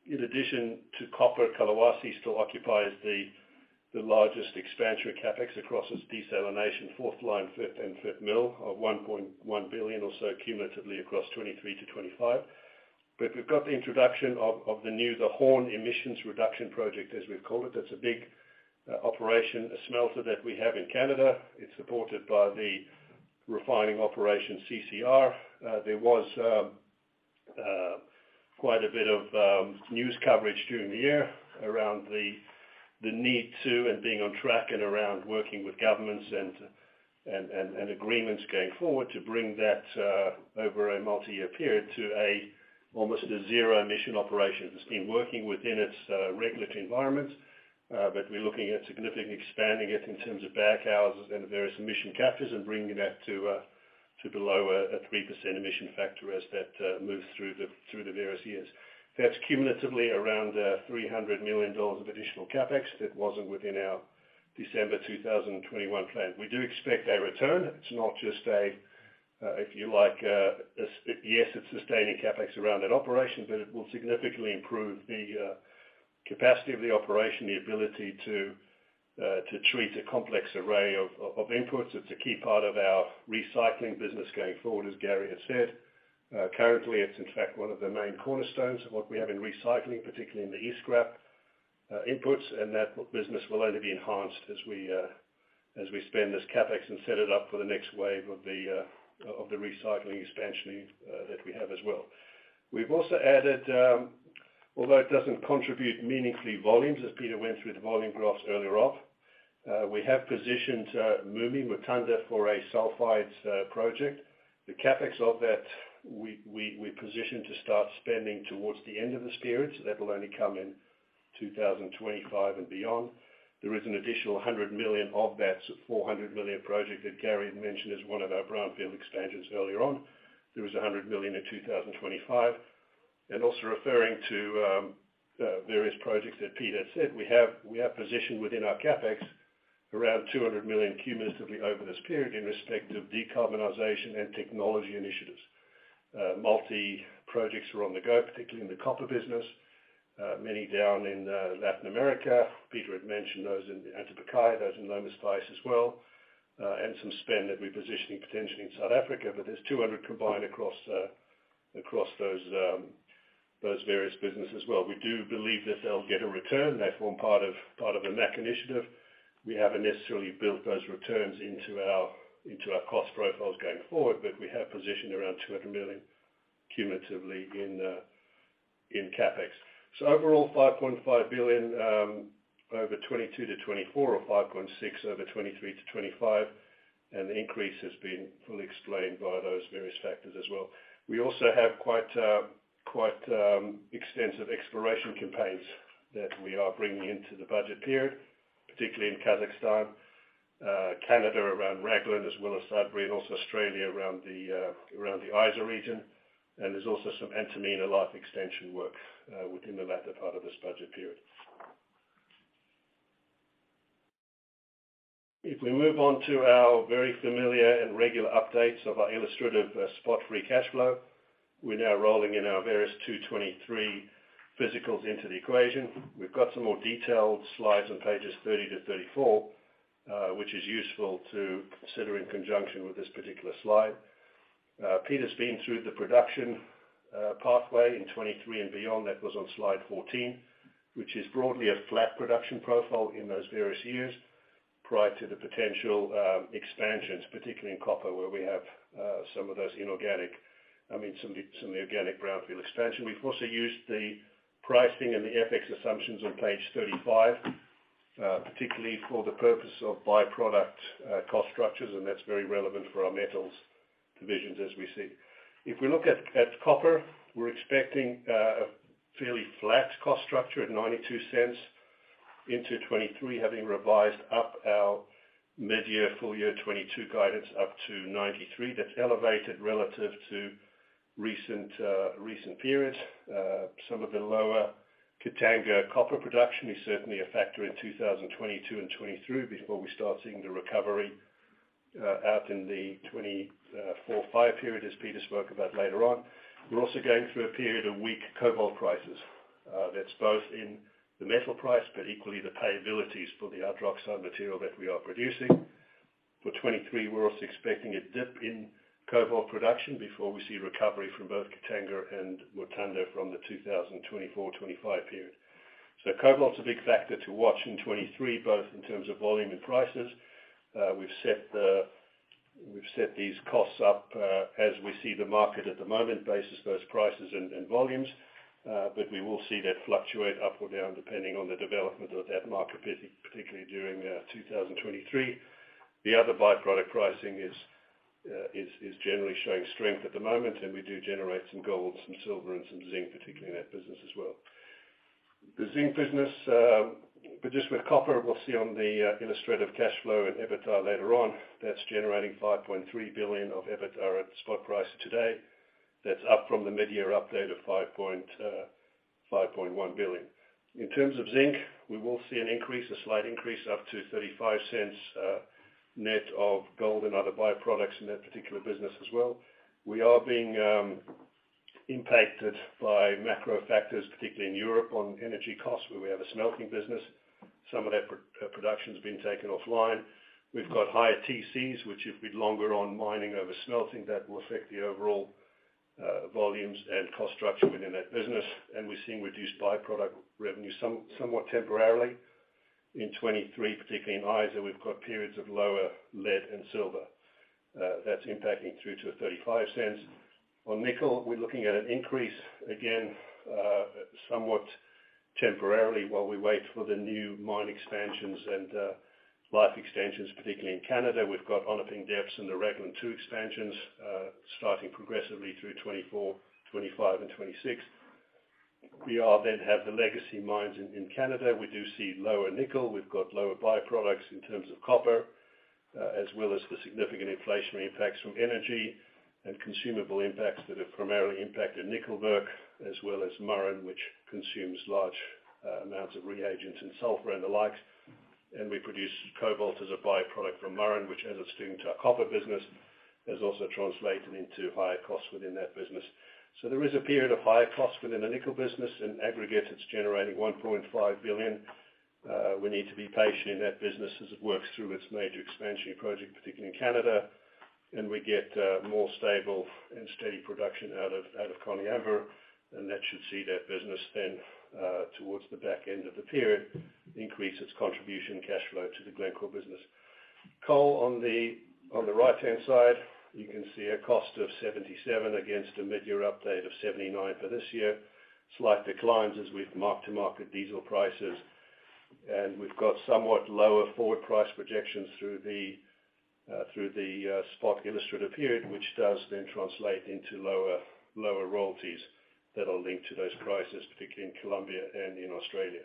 Speaker 4: In addition to copper, Kolwezi still occupies the largest expansion CapEx across its desalination fourth line, fifth and fifth mill of $1.1 billion or so cumulatively across 2023-2025. We've got the introduction of the new, the Horne Emissions Reduction Project, as we've called it. That's a big operation, a smelter that we have in Canada. It's supported by the refining operation, CCR. There was quite a bit of news coverage during the year around the need to and being on track and around working with governments and, and agreements going forward to bring that over a multi-year period to a almost a zero emission operation. It's been working within its regulatory environment, but we're looking at significantly expanding it in terms of backhouses and various emission captures and bringing that to the lower, a 3% emission factor as that moves through the various years. That's cumulatively around $300 million of additional CapEx that wasn't within our December 2021 plan. We do expect a return. It's not just a, if you like, yes, it's sustaining CapEx around that operation, but it will significantly improve the capacity of the operation, the ability to treat a complex array of inputs. It's a key part of our recycling business going forward, as Gary has said. Currently, it's in fact one of the main cornerstones of what we have in recycling, particularly in the e-scrap inputs, that business will only be enhanced as we spend this CapEx and set it up for the next wave of the recycling expansion that we have as well. We've also added, although it doesn't contribute meaningfully volumes, as Peter went through the volume graphs earlier on, we have positioned Mutanda for a sulfides project. The CapEx of that, we're positioned to start spending towards the end of this period, that will only come in 2025 and beyond. There is an additional $100 million of that $400 million project that Gary mentioned as one of our brownfield expansions earlier on. There is $100 million in 2025. Also referring to various projects that Peter said, we have positioned within our CapEx around $200 million cumulatively over this period in respect of decarbonization and technology initiatives. Multi projects are on the go, particularly in the copper business, many down in Latin America. Peter had mentioned those in Antamina, those in Lomas Bayas as well, and some spend that we're positioning potentially in South Africa. There's $200 million combined across those various businesses as well. We do believe that they'll get a return. They form part of the MAC initiative. We haven't necessarily built those returns into our cost profiles going forward, but we have positioned around $200 million cumulatively in CapEx. Overall, $5.5 billion over 2022-2024 or $5.6 billion over 2023-2025, the increase has been fully explained by those various factors as well. We also have quite extensive exploration campaigns that we are bringing into the budget period, particularly in Kazakhstan, Canada around Raglan as well as Sudbury, Australia around the Isa region. There's also some Antamina life extension work within the latter part of this budget period. If we move on to our very familiar and regular updates of our illustrative spot-free cash flow, we're now rolling in our various 2023 physicals into the equation. We've got some more detailed slides on pages 30-34, which is useful to consider in conjunction with this particular slide. Peter's been through the production pathway in 2023 and beyond. That was on Slide 14, which is broadly a flat production profile in those various years prior to the potential expansions, particularly in copper, where we have some of those inorganic, I mean some of the organic brownfield expansion. We've also used the pricing and the FX assumptions on Page 35, particularly for the purpose of by-product cost structures. That's very relevant for our metals divisions as we see. If we look at copper, we're expecting a fairly flat cost structure at $0.92 into 2023, having revised up our mid-year full year 2022 guidance up to $0.93. That's elevated relative to recent periods. Some of the lower Katanga copper production is certainly a factor in 2022 and 2023 before we start seeing the recovery out in the 2024-2025 period as Peter spoke about later on. We're also going through a period of weak cobalt prices. That's both in the metal price. Equally the payabilities for the hydroxide material that we are producing. For 2023, we're also expecting a dip in cobalt production before we see recovery from both Katanga and Mutanda from the 2024-2025 period. Cobalt's a big factor to watch in 2023, both in terms of volume and prices. We've set these costs up as we see the market at the moment basis, those prices and volumes. We will see that fluctuate up or down depending on the development of that market, particularly during 2023. The other by-product pricing is generally showing strength at the moment. We do generate some gold, some silver, and some zinc, particularly in that business as well. The zinc business. Just with copper, we'll see on the illustrative cash flow and EBITDA later on. That's generating $5.3 billion of EBITDA at spot price today. That's up from the mid-year update of $5.1 billion. In terms of zinc, we will see an increase, a slight increase up to $0.35, net of gold and other by-products in that particular business as well. We are being impacted by macro factors, particularly in Europe on energy costs, where we have a smelting business. Some of that pro-production has been taken offline. We've got higher TCs, which if we're longer on mining over smelting, that will affect the overall volumes and cost structure within that business. We're seeing reduced by-product revenue somewhat temporarily. In 2023, particularly in Isa, we've got periods of lower lead and silver, that's impacting through to the $0.35. On nickel, we're looking at an increase again, somewhat temporarily while we wait for the new mine expansions and life extensions, particularly in Canada. We've got Onaping Depths and the Raglan Two expansions, starting progressively through 2024, 2025 and 2026. We are have the legacy mines in Canada. We do see lower nickel. We've got lower by-products in terms of copper, as well as the significant inflationary impacts from energy and consumable impacts that have primarily impacted nickel work, as well as Murrin, which consumes large amounts of reagents and sulfur and the like. We produce cobalt as a by-product from Murrin, which as it's doing to our copper business, has also translated into higher costs within that business. There is a period of higher costs within the nickel business. In aggregate, it's generating $1.5 billion. We need to be patient in that business as it works through its major expansion project, particularly in Canada. We get more stable and steady production out of Koniambo, and that should see that business then, towards the back end of the period, increase its contribution cash flow to the Glencore business. Coal on the right-hand side, you can see a cost of 77 against a mid-year update of 79 for this year. Slight declines as we've mark-to-market diesel prices. We've got somewhat lower forward price projections through the spot illustrative period, which does then translate into lower royalties that are linked to those prices, particularly in Colombia and in Australia.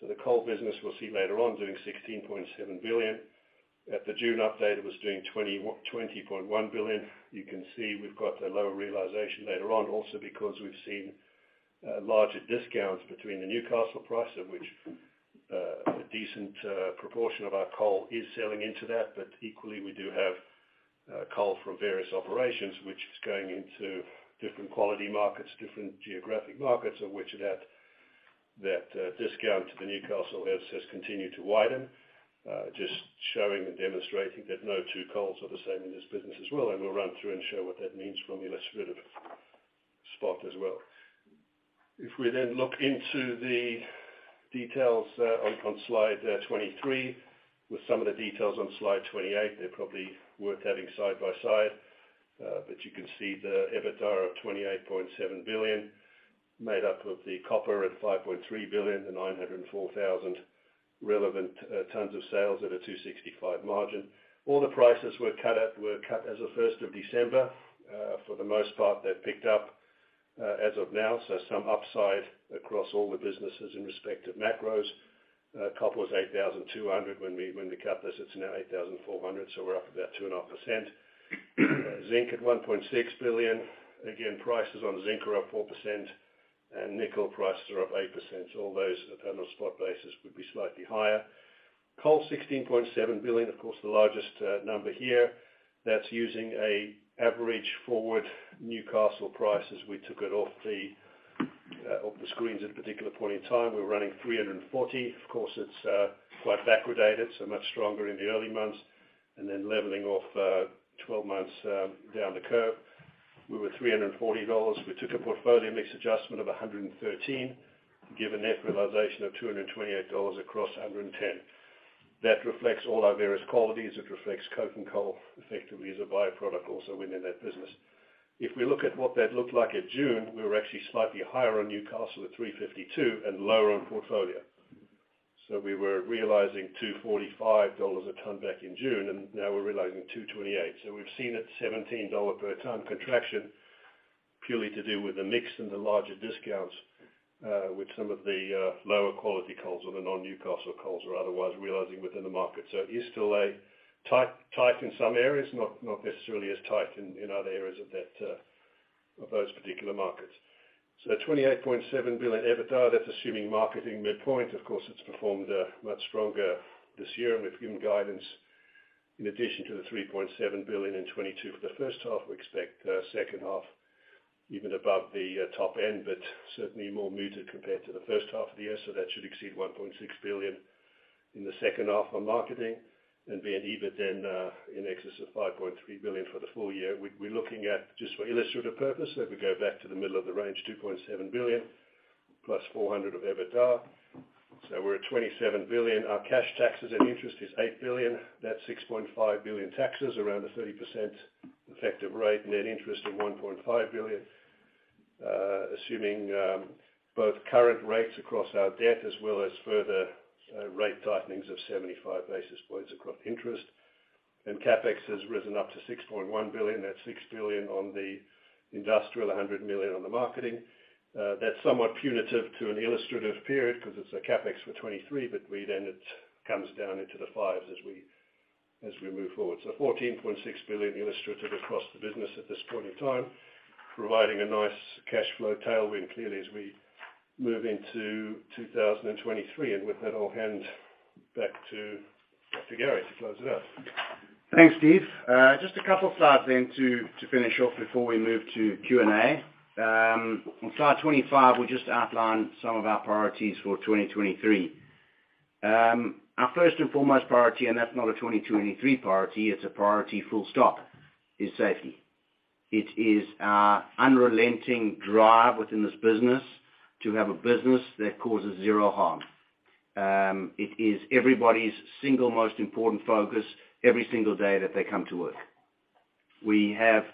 Speaker 4: The coal business we'll see later on doing $16.7 billion. At the June update, it was doing $20.1 billion. You can see we've got a lower realization later on also because we've seen larger discounts between the Newcastle price at which a decent proportion of our coal is selling into that. Equally, we do have coal from various operations which is going into different quality markets, different geographic markets of which that discount to the Newcastle has continued to widen. Just showing and demonstrating that no two coals are the same in this business as well. We'll run through and show what that means from an illustrative spot as well. If we then look into the details on Slide 23 with some of the details on Slide 28, they're probably worth having side by side. You can see the EBITDA of $28.7 billion made up of the copper at $5.3 billion, the 904,000 relevant tons of sales at a $265 margin. All the prices were cut as of December 1st. For the most part, they've picked up as of now, some upside across all the businesses in respect of macros. Copper was $8,200 when we cut this, it's now $8,400, we're up about 2.5%. Zinc at $1.6 billion. Prices on zinc are up 4%, and nickel prices are up 8%. All those on a spot basis would be slightly higher. Coal, $16.7 billion, of course, the largest number here. That's using an average forward Newcastle price as we took it off the off the screens at a particular point in time. We're running 340. Of course, it's quite backwardated, so much stronger in the early months and then leveling off 12 months down the curve. We were $340. We took a portfolio mix adjustment of 113, give a net realization of $228 across 110. That reflects all our various qualities. It reflects coke and coal effectively as a by-product also within that business. If we look at what that looked like at June, we were actually slightly higher on Newcastle at 352 and lower on portfolio. We were realizing $245 a ton back in June, and now we're realizing $228. We've seen a $17 per ton contraction purely to do with the mix and the larger discounts with some of the lower quality coals or the non-Newcastle coals we're otherwise realizing within the market. It is still a tight in some areas, not necessarily as tight in other areas of those particular markets. 28.7 billion EBITDA, that's assuming marketing midpoint. Of course, it's performed much stronger this year, and we've given guidance in addition to the $3.7 billion in 2022 for the first half. We expect second half even above the top end, but certainly more muted compared to the first half of the year. That should exceed $1.6 billion in the second half on marketing. Be an EBIT then, in excess of $5.3 billion for the full year. We're looking at just for illustrative purpose, if we go back to the middle of the range, $2.7 billion+ 400 of EBITDA. We're at $27 billion. Our cash taxes and interest is $8 billion. That's $6.5 billion taxes around a 30% effective rate. Net interest of $1.5 billion, assuming both current rates across our debt as well as further rate tightenings of 75 basis points across interest. CapEx has risen up to $6.1 billion. That's $6 billion on the industrial, $100 million on the marketing. That's somewhat punitive to an illustrative period because it's a CapEx for 2023, but then it comes down into the fives as we move forward. $14.6 billion illustrative across the business at this point in time, providing a nice cash flow tailwind clearly as we move into 2023. With that, I'll hand back to Gary to close it out.
Speaker 2: Thanks, Steve. Just a couple slides to finish off before we move to Q&A. On Slide 25, we just outline some of our priorities for 2023. Our first and foremost priority, that's not a 2023 priority, it's a priority full stop, is safety. It is our unrelenting drive within this business to have a business that causes zero harm. It is everybody's single most important focus every single day that they come to work. We have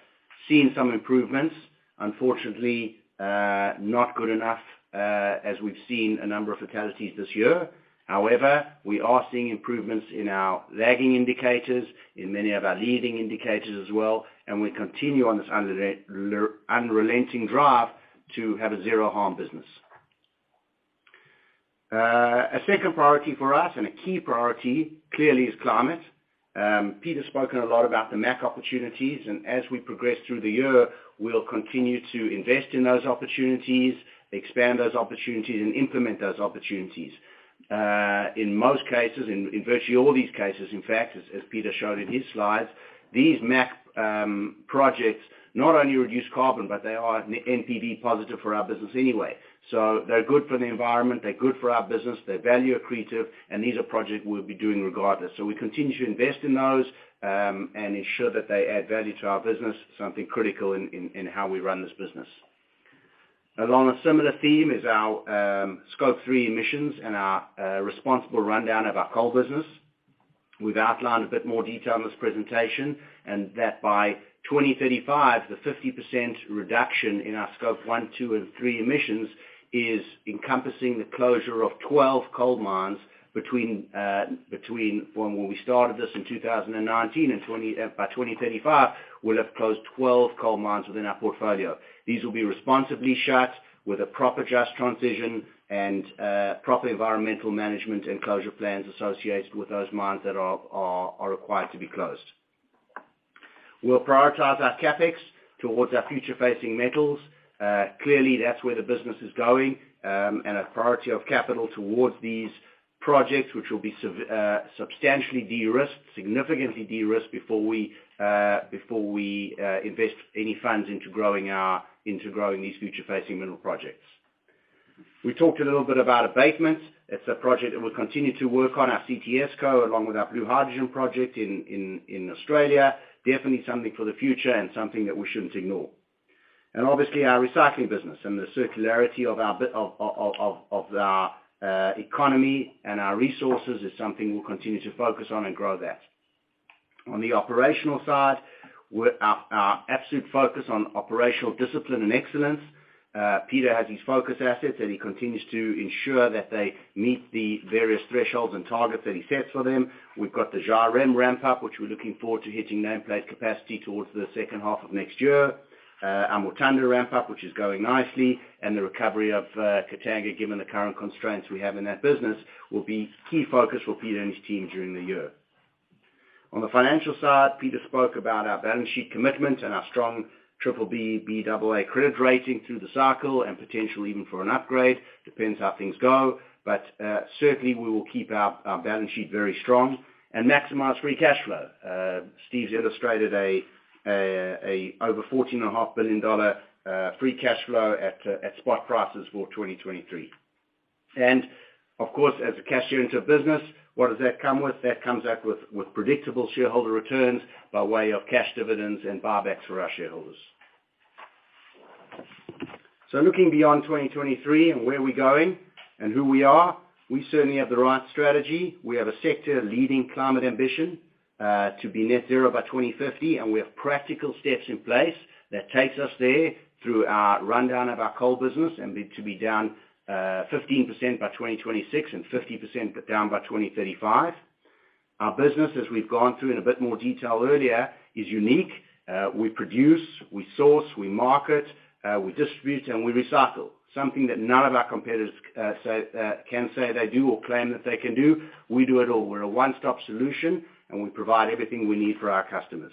Speaker 2: seen some improvements, unfortunately, not good enough, as we've seen a number of fatalities this year. We are seeing improvements in our lagging indicators, in many of our leading indicators as well, and we continue on this unrelenting drive to have a zero harm business. A second priority for us and a key priority, clearly is climate. Peter spoken a lot about the MAC opportunities. As we progress through the year, we'll continue to invest in those opportunities, expand those opportunities, and implement those opportunities. In most cases, in virtually all these cases, in fact, as Peter showed in his slides, these MAC projects not only reduce carbon, but they are NDP positive for our business anyway. They're good for the environment, they're good for our business, they're value accretive, and these are projects we'll be doing regardless. We continue to invest in those and ensure that they add value to our business, something critical in how we run this business. Along a similar theme is our Scope 3 emissions and our responsible rundown of our coal business. We've outlined a bit more detail in this presentation. That by 2035, the 50% reduction in our Scope 1, Scope 2, and Scope 3 emissions is encompassing the closure of 12 coal mines between from when we started this in 2019, and by 2035, we'll have closed 12 coal mines within our portfolio. These will be responsibly shut with a proper just transition and proper environmental management and closure plans associated with those mines that are required to be closed. We'll prioritize our CapEx towards our future facing metals. Clearly, that's where the business is going, and a priority of capital towards these projects, which will be substantially de-risked, significantly de-risked before we invest any funds into growing these future facing mineral projects. We talked a little bit about abatement. It's a project that we'll continue to work on, our CTSCo, along with our blue hydrogen project in Australia. Definitely something for the future and something that we shouldn't ignore. Obviously, our recycling business and the circularity of our economy and our resources is something we'll continue to focus on and grow that. On the operational side, with our absolute focus on operational discipline and excellence, Peter has his focus assets, and he continues to ensure that they meet the various thresholds and targets that he sets for them. We've got the Zhairem ramp up, which we're looking forward to hitting nameplate capacity towards the second half of next year. Our Mutanda ramp up, which is going nicely, and the recovery of Katanga, given the current constraints we have in that business, will be key focus for Peter and his team during the year. On the financial side, Peter spoke about our balance sheet commitment and our strong triple B Baa credit rating through the cycle and potentially even for an upgrade. Depends how things go. Certainly, we will keep our balance sheet very strong and maximize free cash flow. Steve's illustrated over $14.5 billion free cash flow at spot prices for 2023. Of course, as a cash center business, what does that come with? That comes up with predictable shareholder returns by way of cash dividends and buybacks for our shareholders. Looking beyond 2023 and where we're going and who we are, we certainly have the right strategy. We have a sector leading climate ambition to be net zero by 2050. We have practical steps in place that takes us there through our rundown of our coal business to be down 15% by 2026 and 50% down by 2035. Our business, as we've gone through in a bit more detail earlier, is unique. We produce, we source, we market, we distribute, and we recycle, something that none of our competitors can say they do or claim that they can do. We do it all. We're a one-stop solution, and we provide everything we need for our customers.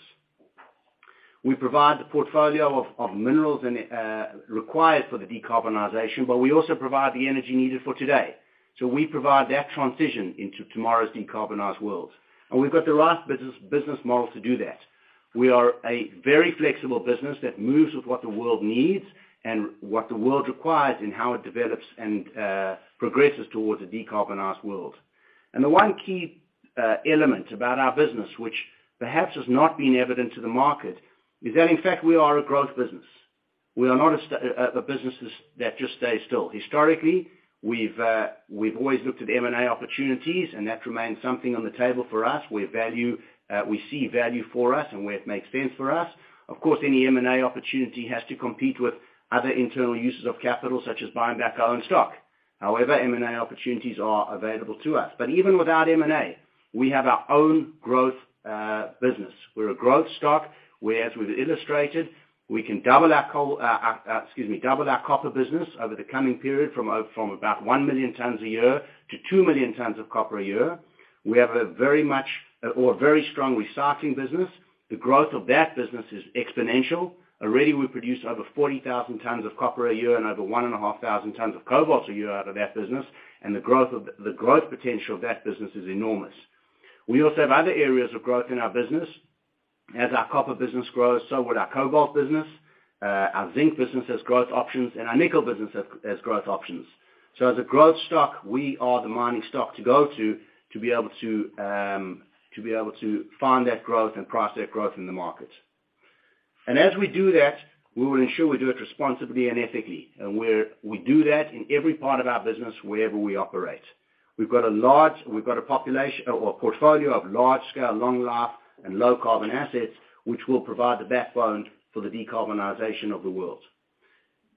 Speaker 2: We provide the portfolio of minerals and required for the decarbonization, but we also provide the energy needed for today. We provide that transition into tomorrow's decarbonized world. We've got the right business model to do that. We are a very flexible business that moves with what the world needs and what the world requires in how it develops and progresses towards a decarbonized world. The one key element about our business, which perhaps has not been evident to the market, is that, in fact, we are a growth business. We are not a business that just stays still. Historically, we've always looked at M&A opportunities, and that remains something on the table for us. We see value for us and where it makes sense for us. Of course, any M&A opportunity has to compete with other internal uses of capital, such as buying back our own stock. However, M&A opportunities are available to us. Even without M&A, we have our own growth business. We're a growth stock, where as we've illustrated, we can double our coal, excuse me, double our copper business over the coming period from about 1 million tons a year to 2 million tons of copper a year. We have a very much or a very strong recycling business. The growth of that business is exponential. Already, we produce over 40,000 tons of copper a year and over 1,500 tons of cobalt a year out of that business, and the growth potential of that business is enormous. We also have other areas of growth in our business. As our copper business grows, so will our cobalt business. Our zinc business has growth options, and our nickel business has growth options. As a growth stock, we are the mining stock to go to be able to find that growth and price that growth in the market. As we do that, we will ensure we do it responsibly and ethically. We do that in every part of our business wherever we operate. We've got a population or a portfolio of large scale, long life, and low carbon assets, which will provide the backbone for the decarbonization of the world.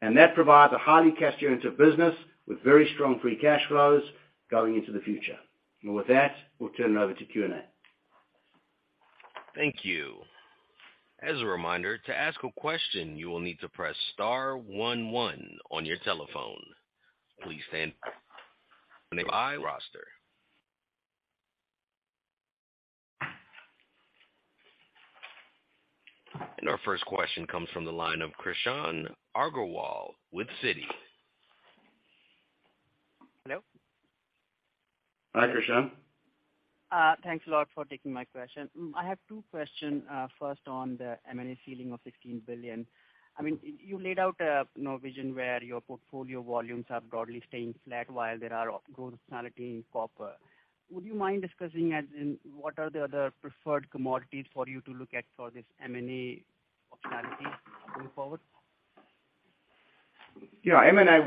Speaker 2: That provides a highly cash center business with very strong free cash flows going into the future. With that, we'll turn it over to Q&A.
Speaker 1: Thank you. As a reminder, to ask a question, you will need to press star one one on your telephone. Please stand by roster. Our first question comes from the line of Krishan Agarwal with Citi.
Speaker 5: Hello.
Speaker 3: Hi, Krishan.
Speaker 5: Thanks a lot for taking my question. I have two question, first on the M&A ceiling of $16 billion. I mean, you laid out no vision where your portfolio volumes are broadly staying flat while there are growth functionality in copper. Would you mind discussing as in what are the other preferred commodities for you to look at for this M&A functionality going forward?
Speaker 2: Yeah, M&A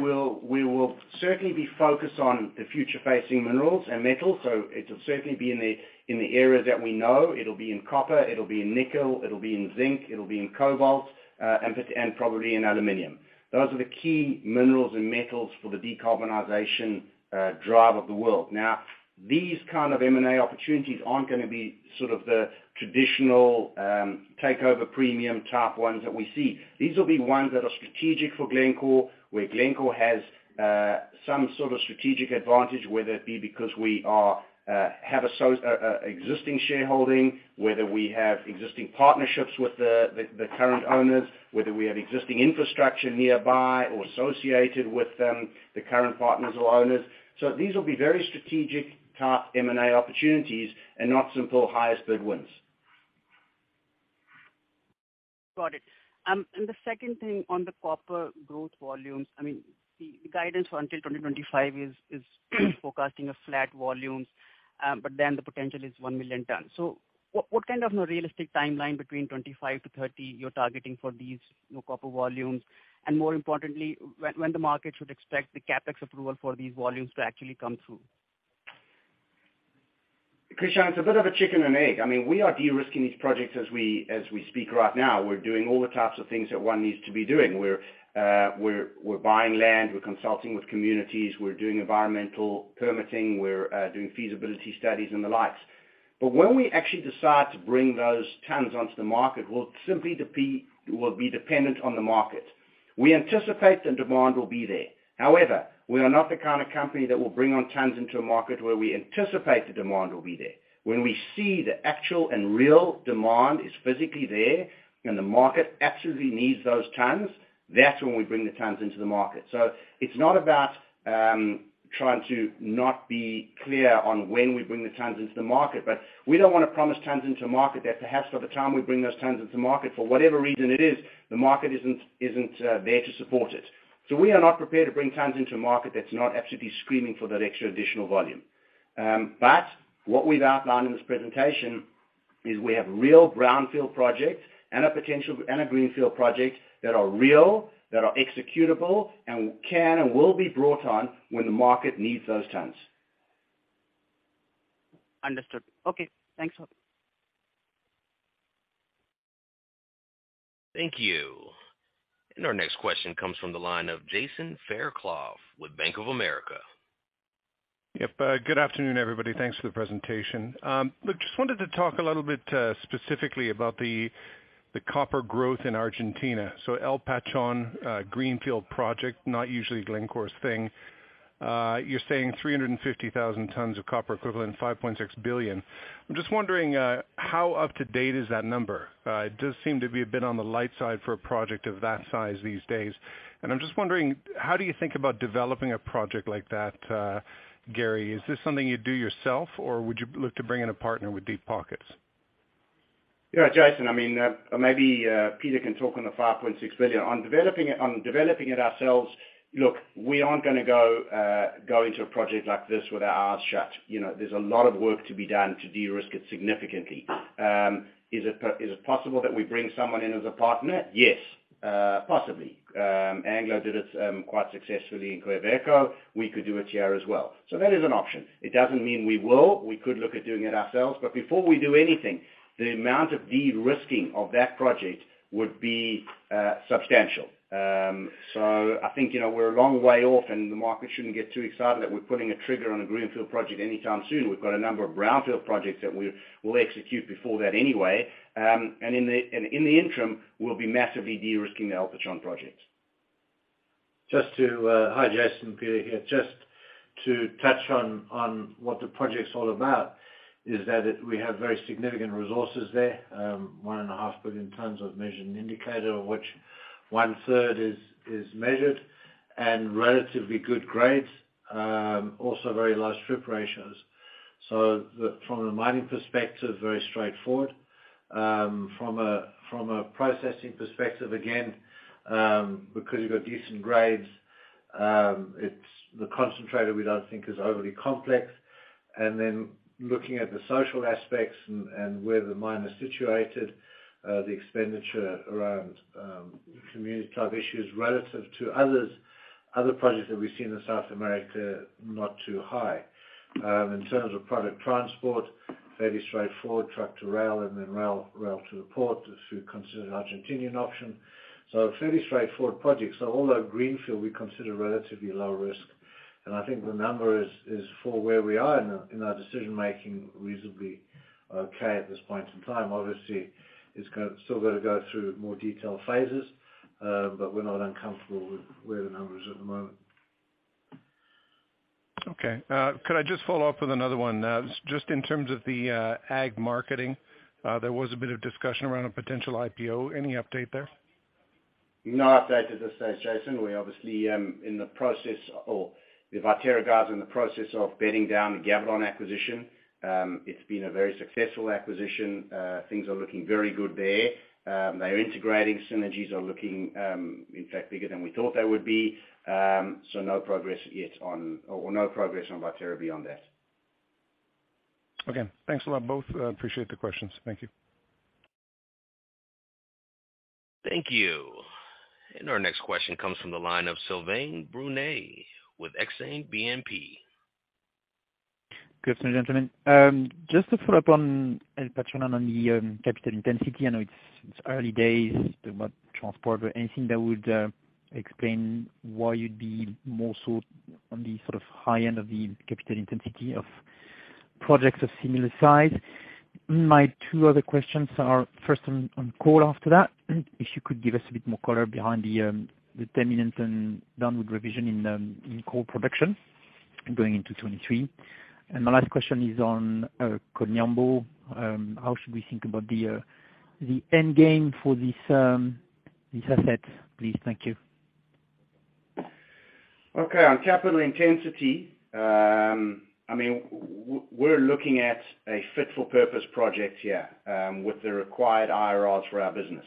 Speaker 2: we will certainly be focused on the future facing minerals and metals. It'll certainly be in the area that we know. It'll be in copper, it'll be in nickel, it'll be in zinc, it'll be in cobalt, and probably in aluminum. Those are the key minerals and metals for the decarbonization drive of the world. These kind of M&A opportunities aren't gonna be sort of the traditional takeover premium type ones that we see. These will be ones that are strategic for Glencore, where Glencore has some sort of strategic advantage, whether it be because we are existing shareholding, whether we have existing partnerships with the current owners, whether we have existing infrastructure nearby or associated with them, the current partners or owners. These will be very strategic type M&A opportunities and not simple highest bid wins.
Speaker 5: Got it. The second thing on the copper growth volumes, I mean, the guidance until 2025 is forecasting a flat volumes, but then the potential is 1 million tons. What kind of a realistic timeline between 2025-2030 you're targeting for these, you know, copper volumes? More importantly, when the market should expect the CapEx approval for these volumes to actually come through?
Speaker 2: Krishan, it's a bit of a chicken and egg. I mean, we are de-risking these projects as we speak right now. We're doing all the types of things that one needs to be doing. We're buying land, we're consulting with communities, we're doing environmental permitting, we're doing feasibility studies and the likes. When we actually decide to bring those tons onto the market, will simply be dependent on the market. We anticipate the demand will be there. However, we are not the kinda company that will bring on tons into a market where we anticipate the demand will be there. When we see the actual and real demand is physically there and the market absolutely needs those tons, that's when we bring the tons into the market. It's not about trying to not be clear on when we bring the tons into the market, but we don't wanna promise tons into a market that perhaps by the time we bring those tons into market, for whatever reason it is, the market isn't there to support it. We are not prepared to bring tons into a market that's not absolutely screaming for that extra additional volume. What we've outlined in this presentation is we have real brownfield projects and a greenfield project that are real, that are executable, and can and will be brought on when the market needs those tons.
Speaker 5: Understood. Okay. Thanks a lot.
Speaker 1: Thank you. Our next question comes from the line of Jason Fairclough with Bank of America.
Speaker 6: Yep. Good afternoon, everybody. Thanks for the presentation. Look, just wanted to talk a little bit specifically about the copper growth in Argentina. El Pachón, Greenfield project, not usually Glencore's thing. You're saying 350,000 tons of copper equivalent, $5.6 billion. I'm just wondering, how up to date is that number? It does seem to be a bit on the light side for a project of that size these days, and I'm just wondering, how do you think about developing a project like that, Gary? Is this something you do yourself, or would you look to bring in a partner with deep pockets?
Speaker 2: Yeah, Jason, I mean, maybe Peter can talk on the $5.6 billion. On developing it ourselves, look, we aren't gonna go into a project like this with our eyes shut. You know, there's a lot of work to be done to de-risk it significantly. Is it possible that we bring someone in as a partner? Yes, possibly. Anglo did it quite successfully in Quellaveco. We could do it here as well. That is an option. It doesn't mean we will. We could look at doing it ourselves, but before we do anything, the amount of de-risking of that project would be substantial. I think, you know, we're a long way off, and the market shouldn't get too excited that we're putting a trigger on a greenfield project anytime soon. We've got a number of brownfield projects that we will execute before that anyway, and in the interim, we'll be massively de-risking the El Pachón project.
Speaker 3: Just to, hi, Jason, Peter here. Just to touch on what the project's all about is that we have very significant resources there, 1.5 billion tons of measured indicator, which 1/3 is measured and relatively good grades. Also very large strip ratios. From a mining perspective, very straightforward. From a processing perspective, again, because you've got decent grades, it's the concentrator we don't think is overly complex. Looking at the social aspects and where the mine is situated, the expenditure around community type issues relative to other projects that we've seen in South America, not too high. In terms of product transport, fairly straightforward, truck to rail and then rail to the port if you consider an Argentinian option. Fairly straightforward project. Although greenfield, we consider relatively low risk. I think the number is for where we are in our decision-making reasonably okay at this point in time. Obviously, it's still gonna go through more detailed phases, but we're not uncomfortable with where the number is at the moment.
Speaker 6: Okay. Could I just follow up with another one? Just in terms of the ag marketing, there was a bit of discussion around a potential IPO. Any update there?
Speaker 4: No update at this stage, Jason. We obviously, Viterra guys are in the process of bedding down the Gavilon acquisition. It's been a very successful acquisition. Things are looking very good there. They're integrating. Synergies are looking, in fact, bigger than we thought they would be. No progress on Viterra beyond that.
Speaker 6: Okay. Thanks a lot, both. I appreciate the questions. Thank you.
Speaker 1: Thank you. Our next question comes from the line of Sylvain Brunet with Exane BNP.
Speaker 7: Good afternoon, gentlemen. Just to follow up on El Pachón on the capital intensity. I know it's early days about transport, but anything that would explain why you'd be more so on the sort of high end of the capital intensity of projects of similar size? My two other questions are first on coal after that, if you could give us a bit more color behind the 10-year downward revision in coal production going into 2023. My last question is on Koniambo. How should we think about the end game for this asset, please? Thank you.
Speaker 2: Okay. On capital intensity, we're looking at a fit for purpose project here with the required IRRs for our business.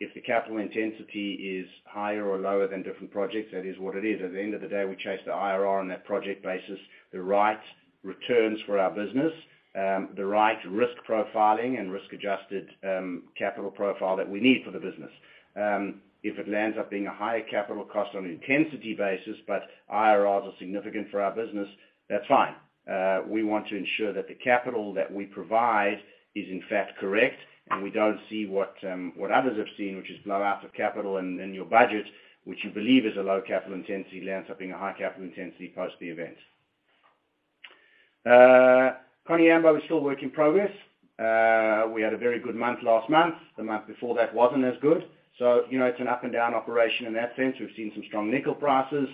Speaker 2: If the capital intensity is higher or lower than different projects, that is what it is. At the end of the day, we chase the IRR on that project basis, the right returns for our business, the right risk profiling and risk-adjusted capital profile that we need for the business. If it lands up being a higher capital cost on an intensity basis, but IRRs are significant for our business, that's fine. We want to ensure that the capital that we provide is in fact correct, and we don't see what others have seen, which is blowout of capital and your budget, which you believe is a low capital intensity, lands up being a high capital intensity post the event. Koniambo is still work in progress. We had a very good month last month. The month before that wasn't as good. You know, it's an up and down operation in that sense. We've seen some strong nickel prices.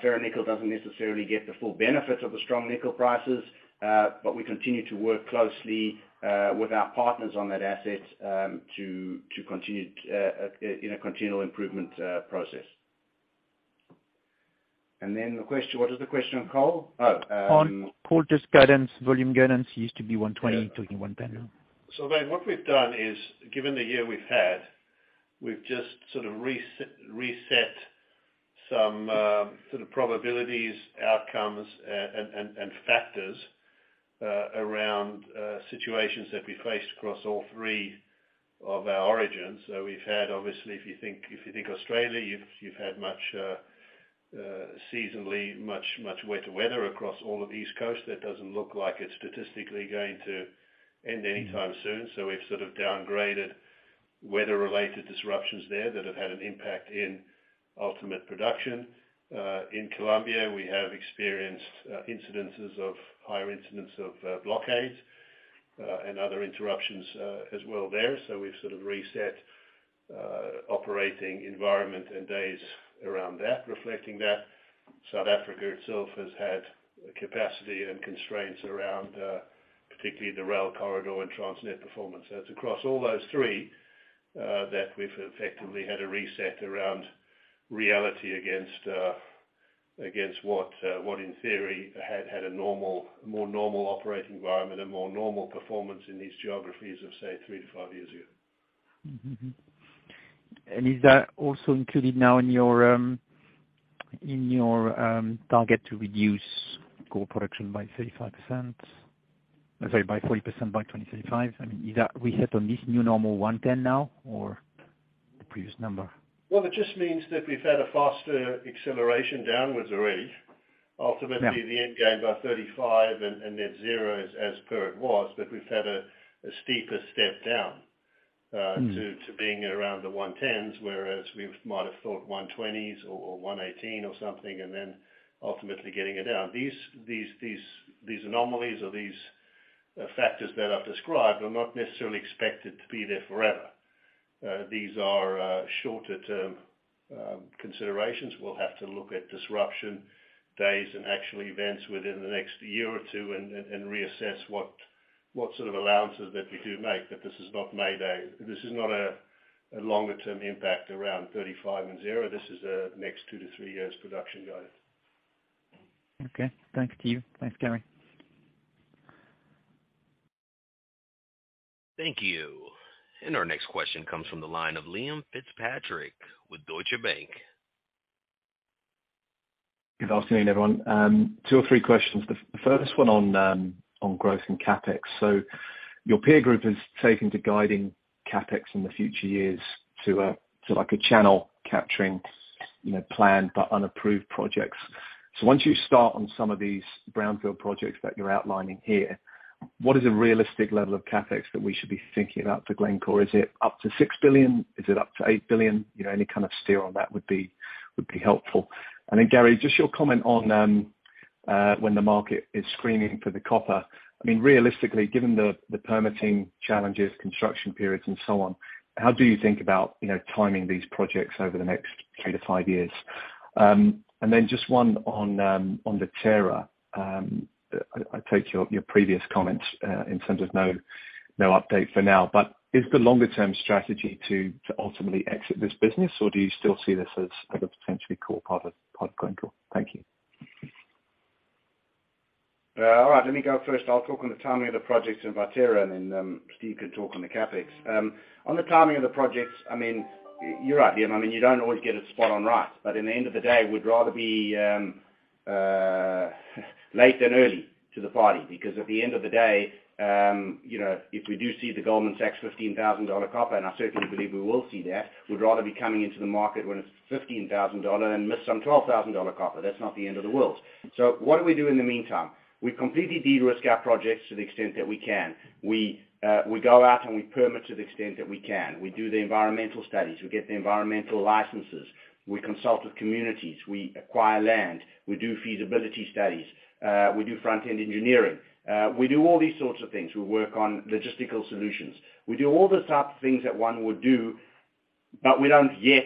Speaker 2: Fair nickel doesn't necessarily get the full benefits of the strong nickel prices, but we continue to work closely with our partners on that asset, to continue in a continual improvement process. The question-- what is the question on coal?
Speaker 7: On coal, just guidance, volume guidance used to be 120 million tons, talking 110 million tons now.
Speaker 4: Sylvain, what we've done is, given the year we've had, we've just sort of reset some sort of probabilities, outcomes, and factors around situations that we faced across all three of our origins. We've had obviously, if you think Australia, you've had much seasonally much wetter weather across all of East Coast. That doesn't look like it's statistically going to end anytime soon. We've sort of downgraded weather-related disruptions there that have had an impact in ultimate production. In Colombia, we have experienced higher incidents of blockades and other interruptions as well there. We've sort of reset operating environment and days around that, reflecting that. South Africa itself has had capacity and constraints around particularly the rail corridor and Transnet performance. It's across all those three, that we've effectively had a reset around reality against what in theory had a normal, more normal operating environment, a more normal performance in these geographies of, say, three to five years ago.
Speaker 7: Is that also included now in your target to reduce coal production by 35%? Sorry, by 40% by 2035? I mean, is that reset on this new normal 110 million tons now or the previous number?
Speaker 4: Well, it just means that we've had a faster acceleration downwards already.
Speaker 7: Yeah.
Speaker 4: Ultimately, the end game by 35% and net zero is as per it was. We've had a steeper step down.
Speaker 7: Mm-hmm
Speaker 4: to being around the 110s, whereas we might have thought 120s or 118 million tons or something, and then ultimately getting it down. These anomalies or these factors that I've described are not necessarily expected to be there forever. These are shorter-term considerations. We'll have to look at disruption days and actual events within the next year or two and reassess what sort of allowances that we do make, that this is not May Day. This is not a longer-term impact around 35% and zero. This is a next two to three years production guide.
Speaker 7: Okay. Thank you. Thanks, Gary.
Speaker 1: Thank you. Our next question comes from the line of Liam Fitzpatrick with Deutsche Bank.
Speaker 8: Good afternoon, everyone. Two or three questions. The first one on growth and CapEx. Your peer group has taken to guiding CapEx in the future years to like a channel capturing, you know, planned but unapproved projects. Once you start on some of these brownfield projects that you're outlining here? What is a realistic level of CapEx that we should be thinking about for Glencore? Is it up to $6 billion? Is it up to $8 billion? You know, any kind of steer on that would be helpful. Gary, just your comment on when the market is screaming for the copper. I mean, realistically, given the permitting challenges, construction periods and so on, how do you think about, you know, timing these projects over the next three to five years? Just one on the Viterra. I take your previous comments, in terms of no update for now. Is the longer-term strategy to ultimately exit this business, or do you still see this as a potentially core part of Glencore? Thank you.
Speaker 2: All right, let me go first. I'll talk on the timing of the projects in Viterra, and then Steve can talk on the CapEx. On the timing of the projects, I mean, you're right, Liam. I mean, you don't always get it spot on right. In the end of the day, we'd rather be late than early to the party, because at the end of the day, you know, if we do see the Goldman Sachs $15,000 copper, and I certainly believe we will see that, we'd rather be coming into the market when it's $15,000 and miss some $12,000 copper. That's not the end of the world. What do we do in the meantime? We completely de-risk our projects to the extent that we can. We go out and we permit to the extent that we can. We do the environmental studies. We get the environmental licenses. We consult with communities. We acquire land. We do feasibility studies. We do front-end engineering. We do all these sorts of things. We work on logistical solutions. We do all the type of things that one would do, but we don't yet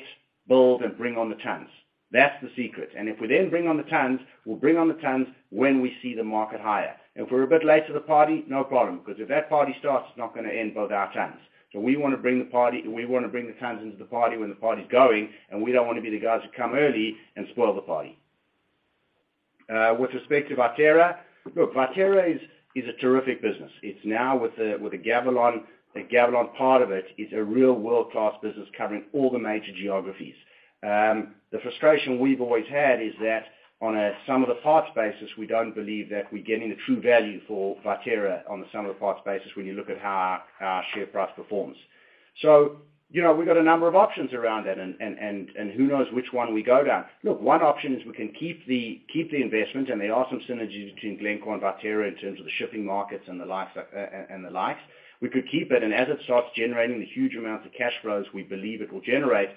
Speaker 2: build and bring on the tons. That's the secret. If we then bring on the tons, we'll bring on the tons when we see the market higher. If we're a bit late to the party, no problem, because if that party starts, it's not gonna end both our tons. We wanna bring the tons into the party when the party's going, and we don't wanna be the guys who come early and spoil the party. With respect to Viterra, look, Viterra is a terrific business. It's now with the Gavilon, the Gavilon part of it is a real world-class business covering all the major geographies. The frustration we've always had is that on a sum of the parts basis, we don't believe that we're getting the true value for Viterra on the sum of the parts basis when you look at how our share price performs. You know, we've got a number of options around it and who knows which one we go down. Look, one option is we can keep the investment and there are some synergies between Glencore and Viterra in terms of the shipping markets and the likes. We could keep it as it starts generating the huge amounts of cash flows we believe it will generate,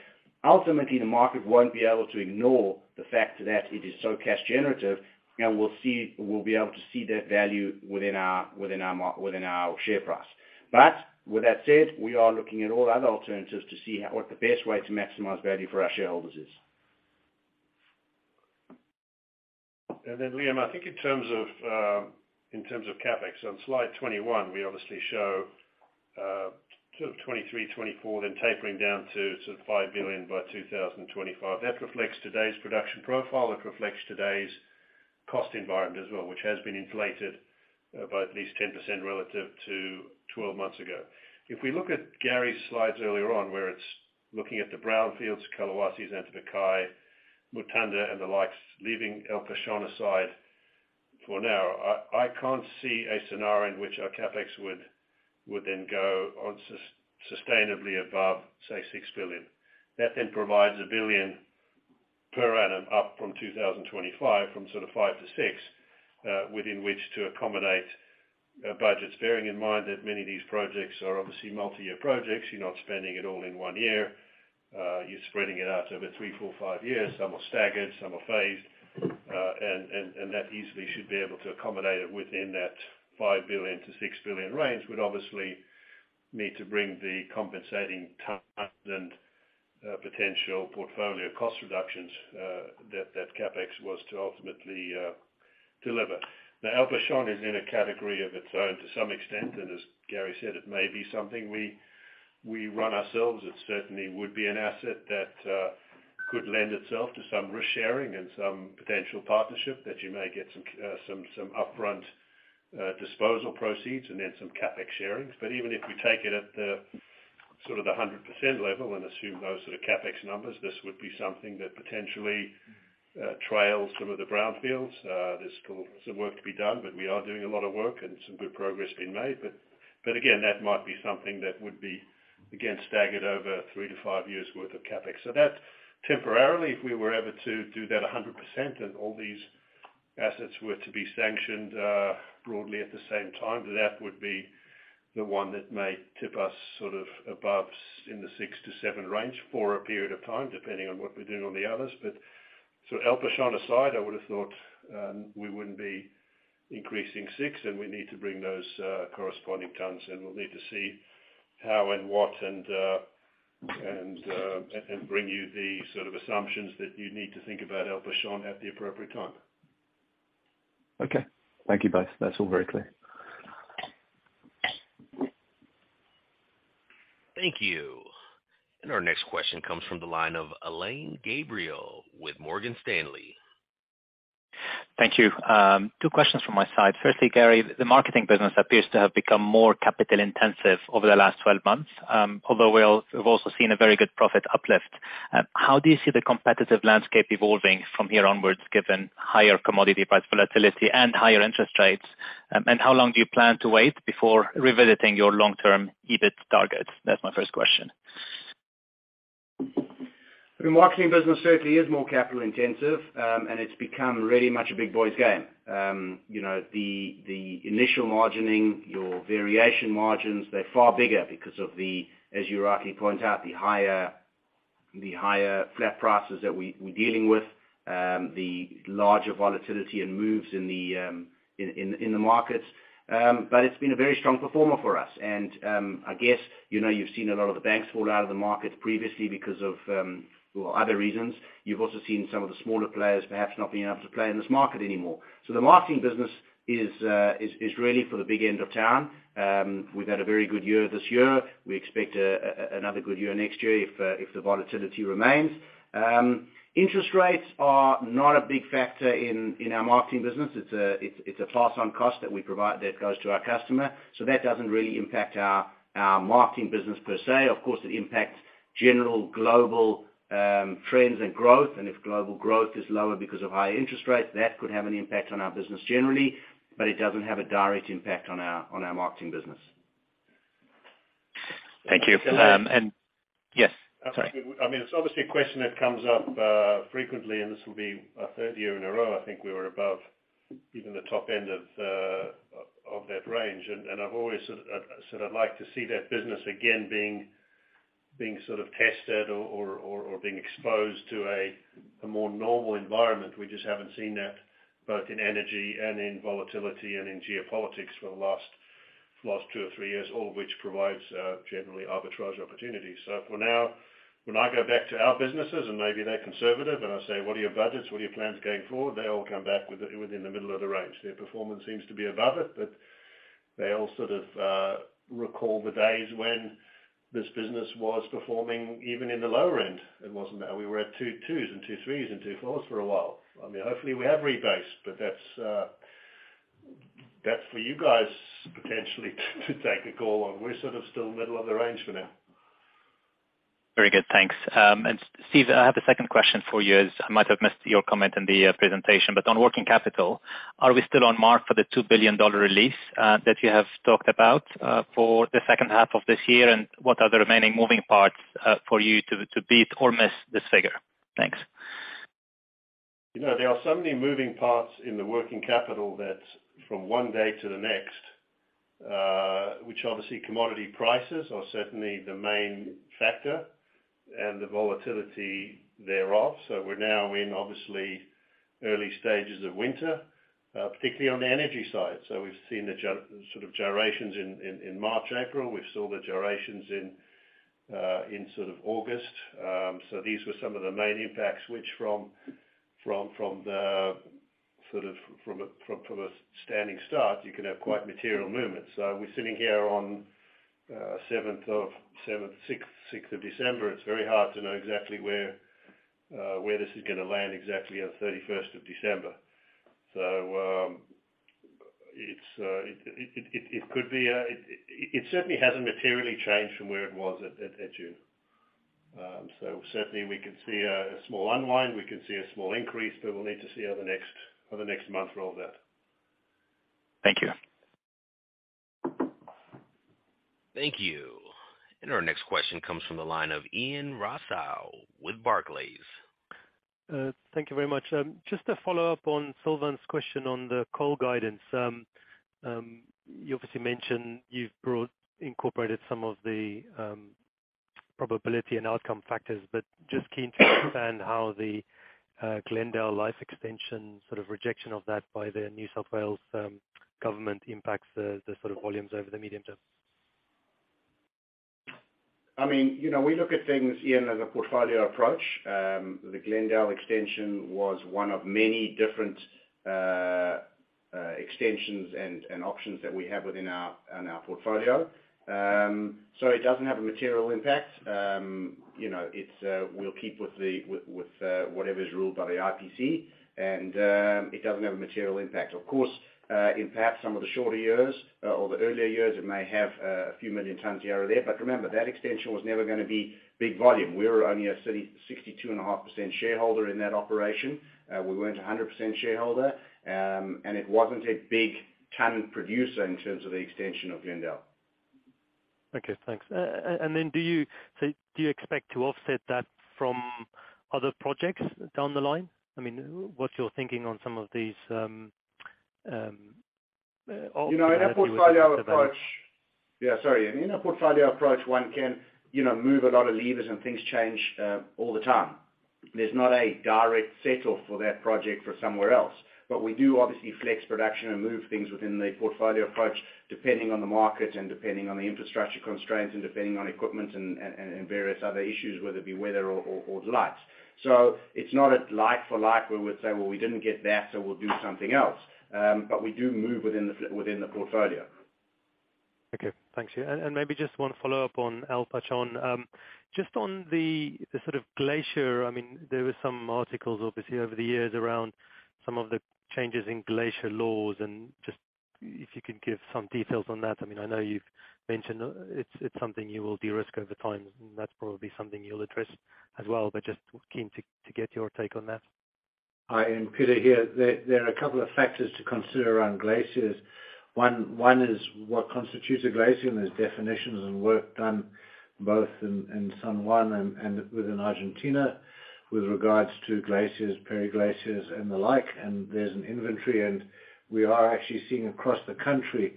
Speaker 2: ultimately the market won't be able to ignore the fact that it is so cash generative and we'll be able to see that value within our share price. With that said, we are looking at all other alternatives to see what the best way to maximize value for our shareholders is.
Speaker 4: Liam, I think in terms of in terms of CapEx, on Slide 21, we obviously show 2023, 2024, then tapering down to $5 billion by 2025. That reflects today's production profile. It reflects today's cost environment as well, which has been inflated by at least 10% relative to 12 months ago. If we look at Gary's slides earlier on, where it's looking at the brownfields, Kolwezi, Katanga, Mutanda and the likes, leaving El Pachón aside for now, I can't see a scenario in which our CapEx would then go on sustainably above, say, $6 billion. That then provides $1 billion per annum up from 2025 from $5 billion-$6 billion within which to accommodate budgets, bearing in mind that many of these projects are obviously multi-year projects. You're not spending it all in one year. You're spreading it out over three, four, five years. Some are staggered, some are phased. That easily should be able to accommodate it within that $5 billion-$6 billion range. Would obviously need to bring the compensating ton and potential portfolio cost reductions that CapEx was to ultimately deliver. Now, El Pachón is in a category of its own to some extent, and as Gary said, it may be something we run ourselves. It certainly would be an asset that could lend itself to some risk-sharing and some potential partnership that you may get some upfront disposal proceeds and then some CapEx sharing. Even if you take it at the 100% level and assume those are the CapEx numbers, this would be something that potentially trails some of the brownfields. There's still some work to be done, but we are doing a lot of work and some good progress being made. Again, that might be something that would be, again, staggered over three to five years worth of CapEx. That temporarily, if we were ever to do that 100% and all these assets were to be sanctioned, broadly at the same time, that would be the one that may tip us above in the six to seven range for a period of time, depending on what we're doing on the others. El Pachón aside, I would've thought, we wouldn't be increasing six and we need to bring those corresponding tons in. We'll need to see how and what and and bring you the sort of assumptions that you need to think about El Pachón at the appropriate time.
Speaker 8: Okay. Thank you both. That's all very clear.
Speaker 1: Thank you. Our next question comes from the line of Alain Gabriel with Morgan Stanley.
Speaker 9: Thank you. Two questions from my side. Firstly, Gary, the marketing business appears to have become more capital intensive over the last 12 months, although we've also seen a very good profit uplift. How do you see the competitive landscape evolving from here onwards, given higher commodity price volatility and higher interest rates? How long do you plan to wait before revisiting your long-term EBIT targets? That's my 1st question.
Speaker 2: The marketing business certainly is more capital intensive, and it's become really much a big boys game. You know, the initial margining, your variation margins, they're far bigger because of the, as you rightly point out, the higher flat prices that we're dealing with, the larger volatility and moves in the markets. But it's been a very strong performer for us. I guess, you know, you've seen a lot of the banks fall out of the market previously because of, well, other reasons. You've also seen some of the smaller players perhaps not being able to play in this market anymore. The marketing business is really for the big end of town. We've had a very good year this year. We expect a another good year next year if the volatility remains. Interest rates are not a big factor in our marketing business. It's a pass-on cost that we provide that goes to our customer. That doesn't really impact our marketing business per se. Of course, it impacts general global trends and growth. If global growth is lower because of higher interest rates, that could have an impact on our business generally. It doesn't have a direct impact on our marketing business.
Speaker 9: Thank you.
Speaker 4: And-
Speaker 9: Yes, sorry.
Speaker 4: I mean, it's obviously a question that comes up frequently, and this will be our third year in a row. I think we were above even the top end of that range. I've always said I'd like to see that business again being sort of tested or being exposed to a more normal environment. We just haven't seen that both in energy and in volatility and in geopolitics for the last two or three years, all of which provides generally arbitrage opportunities. For now, when I go back to our businesses and maybe they're conservative, and I say, "What are your budgets? What are your plans going forward?" They all come back within the middle of the range. Their performance seems to be above it, they all sort of, recall the days when this business was performing even in the lower end. It wasn't that we were at 2.2s and 2.3s and 2.4s for a while. I mean, hopefully we have rebased, that's for you guys potentially to take a call on. We're sort of still middle of the range for now.
Speaker 9: Very good. Thanks. Steve, I have a second question for you, as I might have missed your comment in the presentation, but on working capital, are we still on mark for the $2 billion release that you have talked about for the second half of this year? What are the remaining moving parts for you to beat or miss this figure? Thanks.
Speaker 4: You know, there are so many moving parts in the working capital that from one day to the next, which obviously commodity prices are certainly the main factor and the volatility thereof. We're now in, obviously, early stages of winter, particularly on the energy side. We've seen the sort of gyrations in, in March, April. We saw the gyrations in sort of August. These were some of the main impacts which from a standing start, you can have quite material movement. We're sitting here on December 6th. It's very hard to know exactly where this is gonna land exactly on December 31st. It could be it certainly hasn't materially changed from where it was at June. Certainly we could see a small unwind, we could see a small increase, but we'll need to see over the next month for all that.
Speaker 9: Thank you.
Speaker 1: Thank you. Our next question comes from the line of Ian Rossouw with Barclays.
Speaker 10: Thank you very much. Just to follow up on Sylvain's question on the coal guidance. You obviously mentioned you've incorporated some of the probability and outcome factors, but just keen to understand how the Glendell life extension sort of rejection of that by the New South Wales government impacts the sort of volumes over the medium term.
Speaker 2: I mean, you know, we look at things, Ian, as a portfolio approach. The Glendell extension was one of many different extensions and options that we have within our portfolio. It doesn't have a material impact. You know, it's, we'll keep with the whatever is ruled by the IPC. It doesn't have a material impact. Of course, in perhaps some of the shorter years or the earlier years, it may have a few million tons here or there. Remember, that extension was never gonna be big volume. We were only a 60%, 62.5% shareholder in that operation. We weren't a 100% shareholder. It wasn't a big ton producer in terms of the extension of Glendell.
Speaker 10: Okay, thanks. Do you say, do you expect to offset that from other projects down the line? I mean, what's your thinking on some of these...
Speaker 4: You know, in our portfolio approach. Yeah, sorry. In our portfolio approach, one can, you know, move a lot of levers and things change all the time. There's not a direct settle for that project for somewhere else. We do obviously flex production and move things within the portfolio approach, depending on the market and depending on the infrastructure constraints and depending on equipment and various other issues, whether it be weather or delights. It's not a like for like, where we'd say, "Well, we didn't get that, so we'll do something else." We do move within the portfolio.
Speaker 10: Okay. Thanks. Yeah. Maybe just one follow-up on El Pachón. Just on the sort of glacier, I mean, there were some articles obviously over the years around some of the changes in glacier laws, and just if you could give some details on that. I mean, I know you've mentioned it's something you will de-risk over time, and that's probably something you'll address as well. But just keen to get your take on that.
Speaker 3: Hi, and Peter here. There are a couple of factors to consider around glaciers. One is what constitutes a glacier, and there's definitions and work done both in San Juan and within Argentina with regards to glaciers, periglaciers and the like. There's an inventory, and we are actually seeing across the country,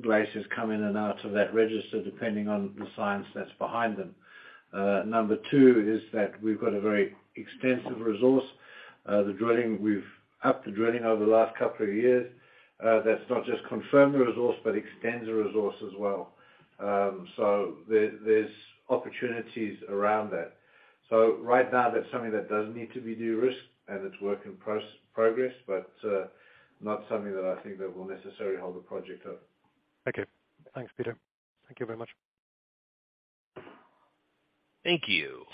Speaker 3: glaciers come in and out of that register depending on the science that's behind them. Number two is that we've got a very extensive resource. The drilling up the drilling over the last couple of years, that's not just confirmed the resource but extends the resource as well. There's opportunities around that. Right now, that's something that does need to be de-risked, and it's work in progress, but not something that I think that will necessarily hold the project up.
Speaker 10: Okay. Thanks, Peter. Thank you very much.
Speaker 1: Thank you.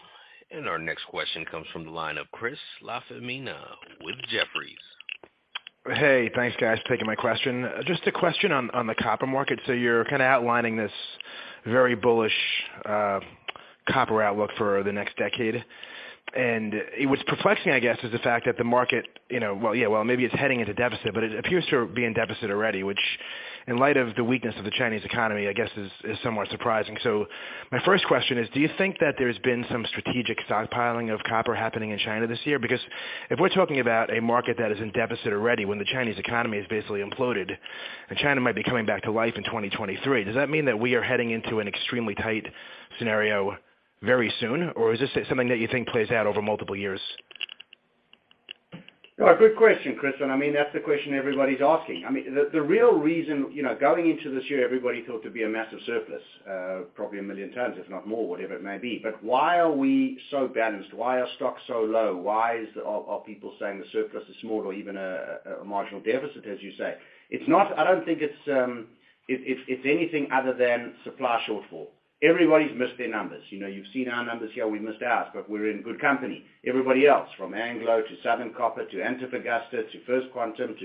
Speaker 1: Our next question comes from the line of Christopher LaFemina with Jefferies.
Speaker 11: Hey, thanks guys for taking my question. Just a question on the copper market. You're kinda outlining this very bullish copper outlook for the next decade. What's perplexing, I guess, is the fact that the market, you know, Well, yeah, well, maybe it's heading into deficit, but it appears to be in deficit already, which in light of the weakness of the Chinese economy, I guess is somewhat surprising. My first question is: do you think that there's been some strategic stockpiling of copper happening in China this year? If we're talking about a market that is in deficit already when the Chinese economy has basically imploded and China might be coming back to life in 2023, does that mean that we are heading into an extremely tight scenario very soon? Is this something that you think plays out over multiple years?
Speaker 2: No, good question, Chris. I mean, that's the question everybody's asking. I mean, the real reason, you know, going into this year, everybody thought it'd be a massive surplus, probably a million tons, if not more, whatever it may be. Why are we so balanced? Why are stocks so low? Why are people saying the surplus is small or even a marginal deficit, as you say? I don't think it's anything other than supply shortfall. Everybody's missed their numbers. You know, you've seen our numbers here. We missed ours, but we're in good company. Everybody else, from Anglo to Southern Copper to Antofagasta to First Quantum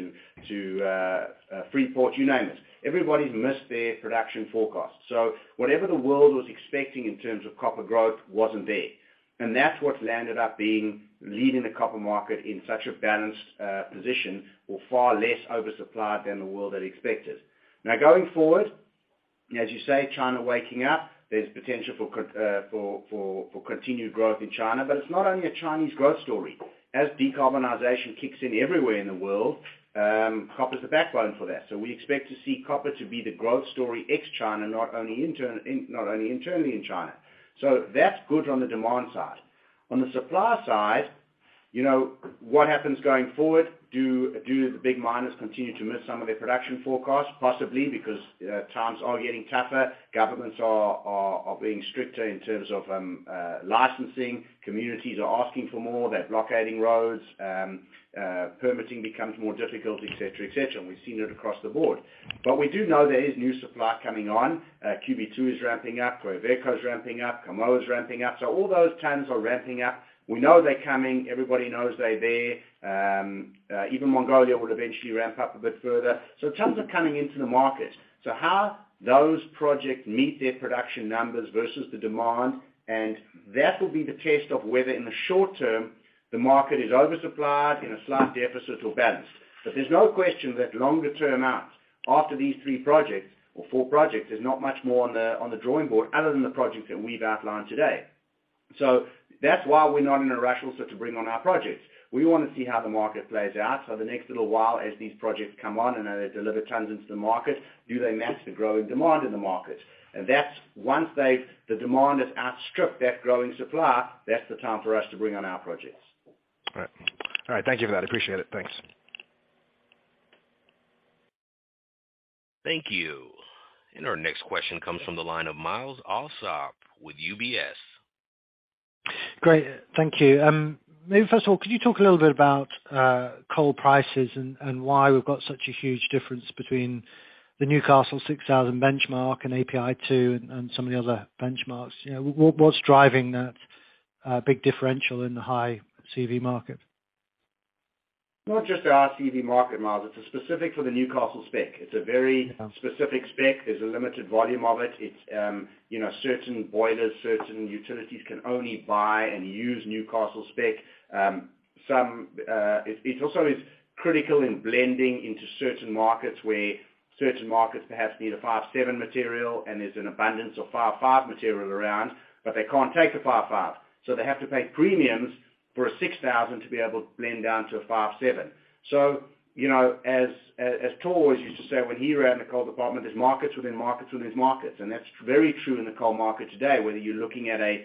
Speaker 2: to Freeport, you name it. Everybody's missed their production forecast. Whatever the world was expecting in terms of copper growth wasn't there, and that's what's landed up being... leaving the copper market in such a balanced position or far less oversupplied than the world had expected. Going forward, as you say, China waking up, there's potential for continued growth in China. It's not only a Chinese growth story. As decarbonization kicks in everywhere in the world, copper's the backbone for that. We expect to see copper to be the growth story ex-China, not only internally in China. That's good on the demand side. On the supply side, you know, what happens going forward? Do the big miners continue to miss some of their production forecasts? Possibly, because times are getting tougher. Governments are being stricter in terms of licensing. Communities are asking for more. They're blockading roads. Permitting becomes more difficult, et cetera, et cetera, we've seen it across the board. We do know there is new supply coming on. QB2 is ramping up. Quellaveco is ramping up. Kamoa is ramping up. All those tons are ramping up. We know they're coming. Everybody knows they're there. Even Mongolia will eventually ramp up a bit further. Tons are coming into the market. How those projects meet their production numbers versus the demand, that will be the test of whether, in the short term, the market is oversupplied, in a slight deficit or balanced. There's no question that longer term out, after these three projects or four projects, there's not much more on the drawing board other than the projects that we've outlined today. That's why we're not in a rush also to bring on our projects. We wanna see how the market plays out. The next little while, as these projects come on and they deliver tons into the market, do they match the growing demand in the market? That's once the demand has outstripped that growing supply, that's the time for us to bring on our projects.
Speaker 11: All right. All right, thank you for that. Appreciate it. Thanks.
Speaker 1: Thank you. Our next question comes from the line of Myles Allsop with UBS.
Speaker 12: Great. Thank you. Maybe first of all, could you talk a little bit about coal prices and why we've got such a huge difference between the Newcastle 6,000 benchmark and API2 and some of the other benchmarks? You know, what's driving that big differential in the high CV market?
Speaker 2: Not just the high CV market, Myles. It's specific for the Newcastle spec.
Speaker 12: Okay...
Speaker 2: specific spec. There's a limited volume of it. It's, you know, certain boilers, certain utilities can only buy and use Newcastle spec. Some, it also is critical in blending into certain markets where certain markets perhaps need a 5-7 material and there's an abundance of 5-5 material around, but they can't take the 5-5. They have to pay premiums for a 6,000 to be able to blend down to a 5-7. You know, as Tor used to say when he ran the coal department, there's markets within markets within markets, and that's very true in the coal market today, whether you're looking at a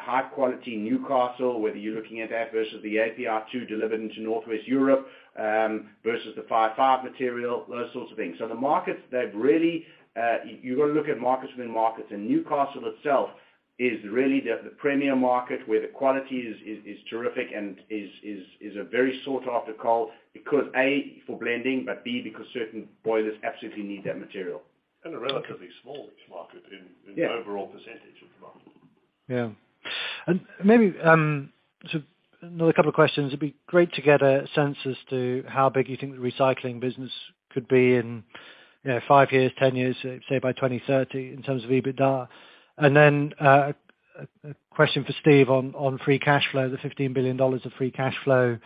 Speaker 2: high quality Newcastle, whether you're looking at that versus the API2 delivered into Northwest Europe, versus the 5-5 material, those sorts of things. The markets, they've really... You've got to look at markets within markets. Newcastle itself is really the premier market where the quality is terrific and is a very sought after coal because, A, for blending, but B, because certain boilers absolutely need that material.
Speaker 4: A relatively small market.
Speaker 2: Yeah...
Speaker 4: in overall percentage of the market.
Speaker 12: Yeah. Maybe another couple of questions. It'd be great to get a sense as to how big you think the recycling business could be in, you know, five years, 10 years, say by 2030 in terms of EBITDA. Then a question for Steve on free cash flow, the $15 billion of free cash flow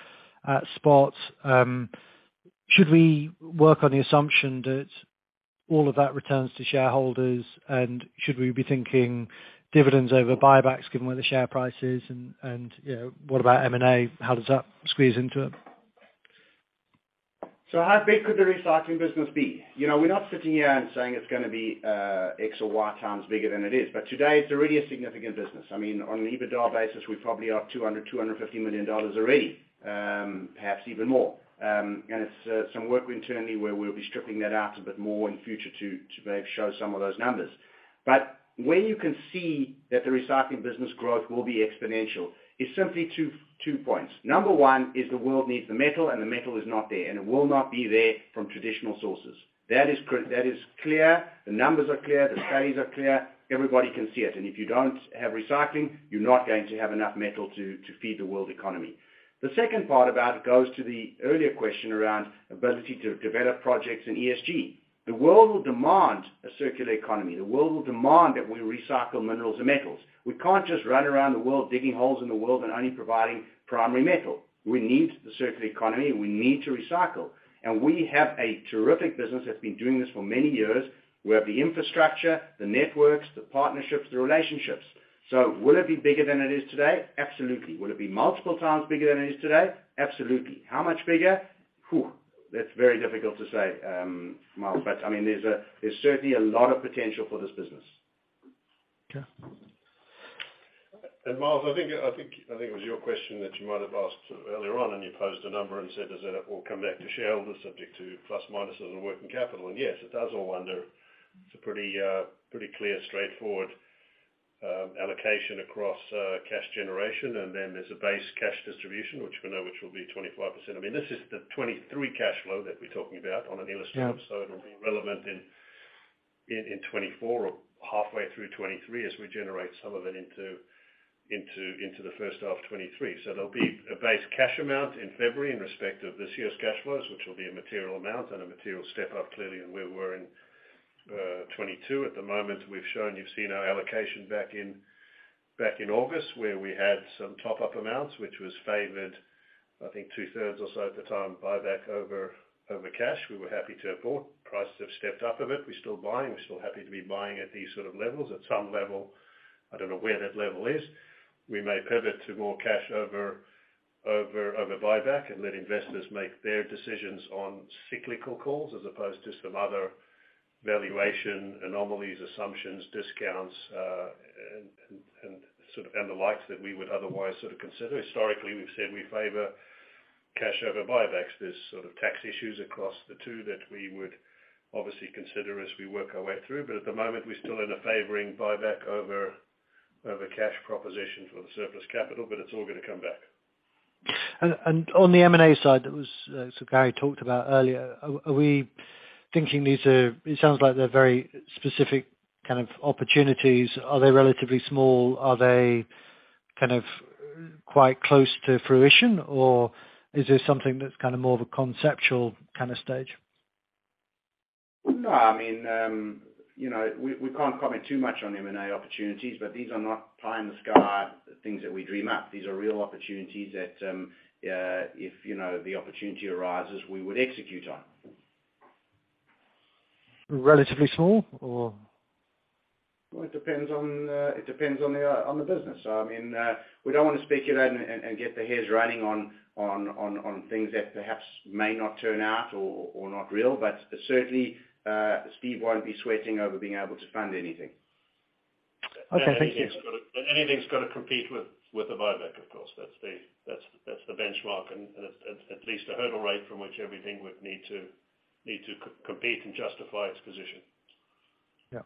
Speaker 12: spot. Should we work on the assumption that all of that returns to shareholders, and should we be thinking dividends over buybacks given where the share price is, and, you know, what about M&A? How does that squeeze into it?
Speaker 2: How big could the recycling business be? You know, we're not sitting here and saying it's gonna be X or Y times bigger than it is. Today, it's already a significant business. I mean, on an EBITDA basis, we probably are $200 million-$250 million already, perhaps even more. And it's some work internally where we'll be stripping that out a bit more in future to maybe show some of those numbers. Where you can see that the recycling business growth will be exponential is simply two points. Number one is the world needs the metal, and the metal is not there, and it will not be there from traditional sources. That is clear, the numbers are clear, the studies are clear. Everybody can see it. If you don't have recycling, you're not going to have enough metal to feed the world economy. The second part about it goes to the earlier question around ability to develop projects in ESG. The world will demand a circular economy. The world will demand that we recycle minerals and metals. We can't just run around the world digging holes in the world and only providing primary metal. We need the circular economy, and we need to recycle. We have a terrific business that's been doing this for many years. We have the infrastructure, the networks, the partnerships, the relationships. Will it be bigger than it is today? Absolutely. Will it be multiple times bigger than it is today? Absolutely. How much bigger? Phew. That's very difficult to say, Myles. I mean, there's certainly a lot of potential for this business.
Speaker 12: Okay.
Speaker 4: Myles, I think it was your question that you might have asked earlier on, you posed a number and said, "Does that all come back to shareholders subject to plus, minus as a working capital?" Yes, it does all wonder. It's a pretty clear, straightforward allocation across cash generation. Then there's a base cash distribution, which we know which will be 25%. I mean, this is the 2023 cash flow that we're talking about.
Speaker 12: Yeah
Speaker 4: It'll be relevant in 2024 or halfway through 2023 as we generate some of it into the first half 2023. There'll be a base cash amount in February in respect of this year's cash flows, which will be a material amount and a material step up, clearly, than where we were in 2022. At the moment, we've shown you've seen our allocation back in August, where we had some top-up amounts, which was favored, I think two-thirds or so at the time, buyback over cash. We were happy to afford. Prices have stepped up a bit. We're still buying. We're still happy to be buying at these sort of levels. At some level, I don't know where that level is, we may pivot to more cash over buyback and let investors make their decisions on cyclical calls as opposed to some other valuation anomalies, assumptions, discounts, and sort of, and the likes that we would otherwise sort of consider. Historically, we've said we favor cash over buybacks. There's sort of tax issues across the two that we would obviously consider as we work our way through. But at the moment, we're still in a favoring buyback over cash proposition for the surplus capital, but it's all gonna come back.
Speaker 12: On the M&A side Gary talked about earlier, are we thinking these are? It sounds like they're very specific kind of opportunities. Are they relatively small? Are they kind of quite close to fruition, or is this something that's kind of more of a conceptual kind of stage?
Speaker 2: No, I mean, you know, we can't comment too much on M&A opportunities, but these are not pie-in-the-sky things that we dream up. These are real opportunities that, if you know, the opportunity arises, we would execute on.
Speaker 12: Relatively small or?
Speaker 2: It depends on the business. I mean, we don't wanna speculate and get the hairs running on things that perhaps may not turn out or not real. Certainly, Steve won't be sweating over being able to fund anything.
Speaker 12: Okay. Thank you.
Speaker 4: Anything's gotta compete with the buyback, of course. That's the benchmark and at least a hurdle rate from which everything would need to co-compete and justify its position.
Speaker 12: Yeah.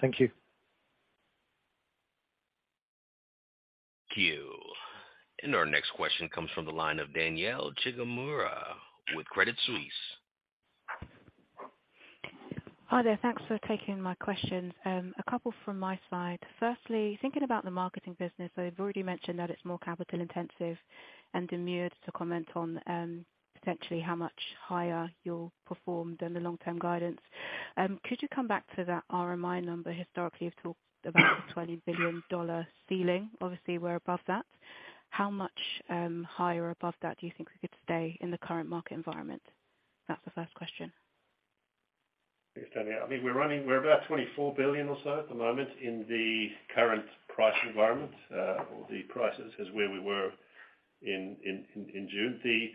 Speaker 12: Thank you.
Speaker 1: Thank you. Our next question comes from the line of Danielle Chigumira with Credit Suisse.
Speaker 13: Hi there. Thanks for taking my questions. A couple from my side. Firstly, thinking about the marketing business, you've already mentioned that it's more capital intensive and demurred to comment on potentially how much higher you'll perform than the long-term guidance. Could you come back to that RMI number? Historically, you've talked about the $20 billion ceiling. Obviously, we're above that. How much higher above that do you think we could stay in the current market environment? That's the first question.
Speaker 4: Thanks, Danielle. I think we're about $24 billion or so at the moment in the current price environment, or the prices as where we were in June. The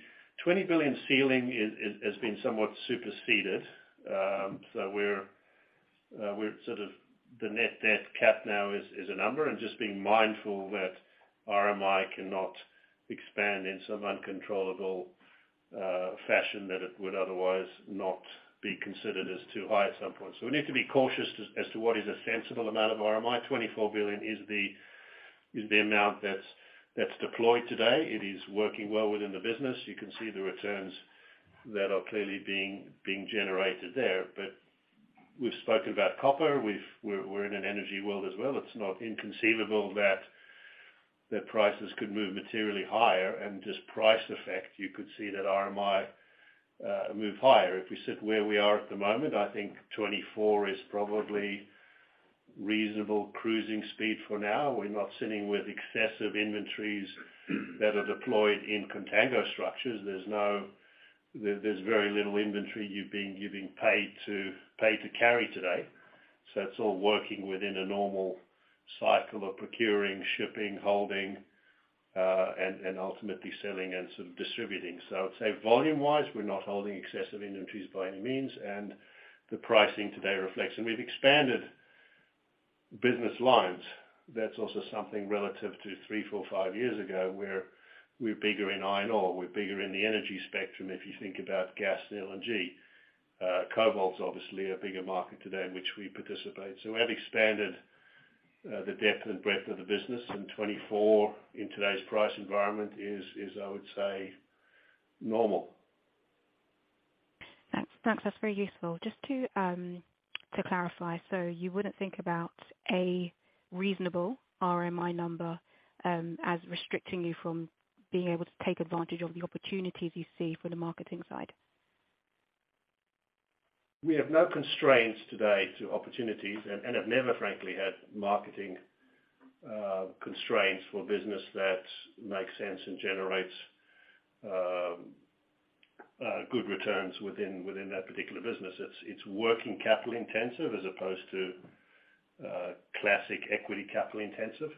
Speaker 4: $20 billion ceiling has been somewhat superseded. We're sort of the net debt cap now is a number and just being mindful that RMI cannot expand in some uncontrollable fashion that it would otherwise not be considered as too high at some point. We need to be cautious as to what is a sensible amount of RMI. $24 billion is the amount that's deployed today. It is working well within the business. You can see the returns that are clearly being generated there. We're in an energy world as well. It's not inconceivable that prices could move materially higher. Just price effect, you could see that RMI move higher. If we sit where we are at the moment, I think $24 billion is probably reasonable cruising speed for now. We're not sitting with excessive inventories that are deployed in contango structures. There's very little inventory you're being paid to carry today. It's all working within a normal cycle of procuring, shipping, holding, and ultimately selling and sort of distributing. I would say volume-wise, we're not holding excessive inventories by any means, and the pricing today reflects. We've expanded business lines. That's also something relative to three, four, five years ago, where we're bigger in iron ore, we're bigger in the energy spectrum, if you think about gas, LNG. cobalt's obviously a bigger market today, in which we participate. We have expanded the depth and breadth of the business, and $24 billion in today's price environment is I would say, normal.
Speaker 13: Thanks. That's very useful. Just to clarify, you wouldn't think about a reasonable RMI number as restricting you from being able to take advantage of the opportunities you see from the marketing side?
Speaker 4: We have no constraints today to opportunities and have never, frankly, had marketing constraints for business that makes sense and generates good returns within that particular business. It's working capital intensive as opposed to classic equity capital intensive.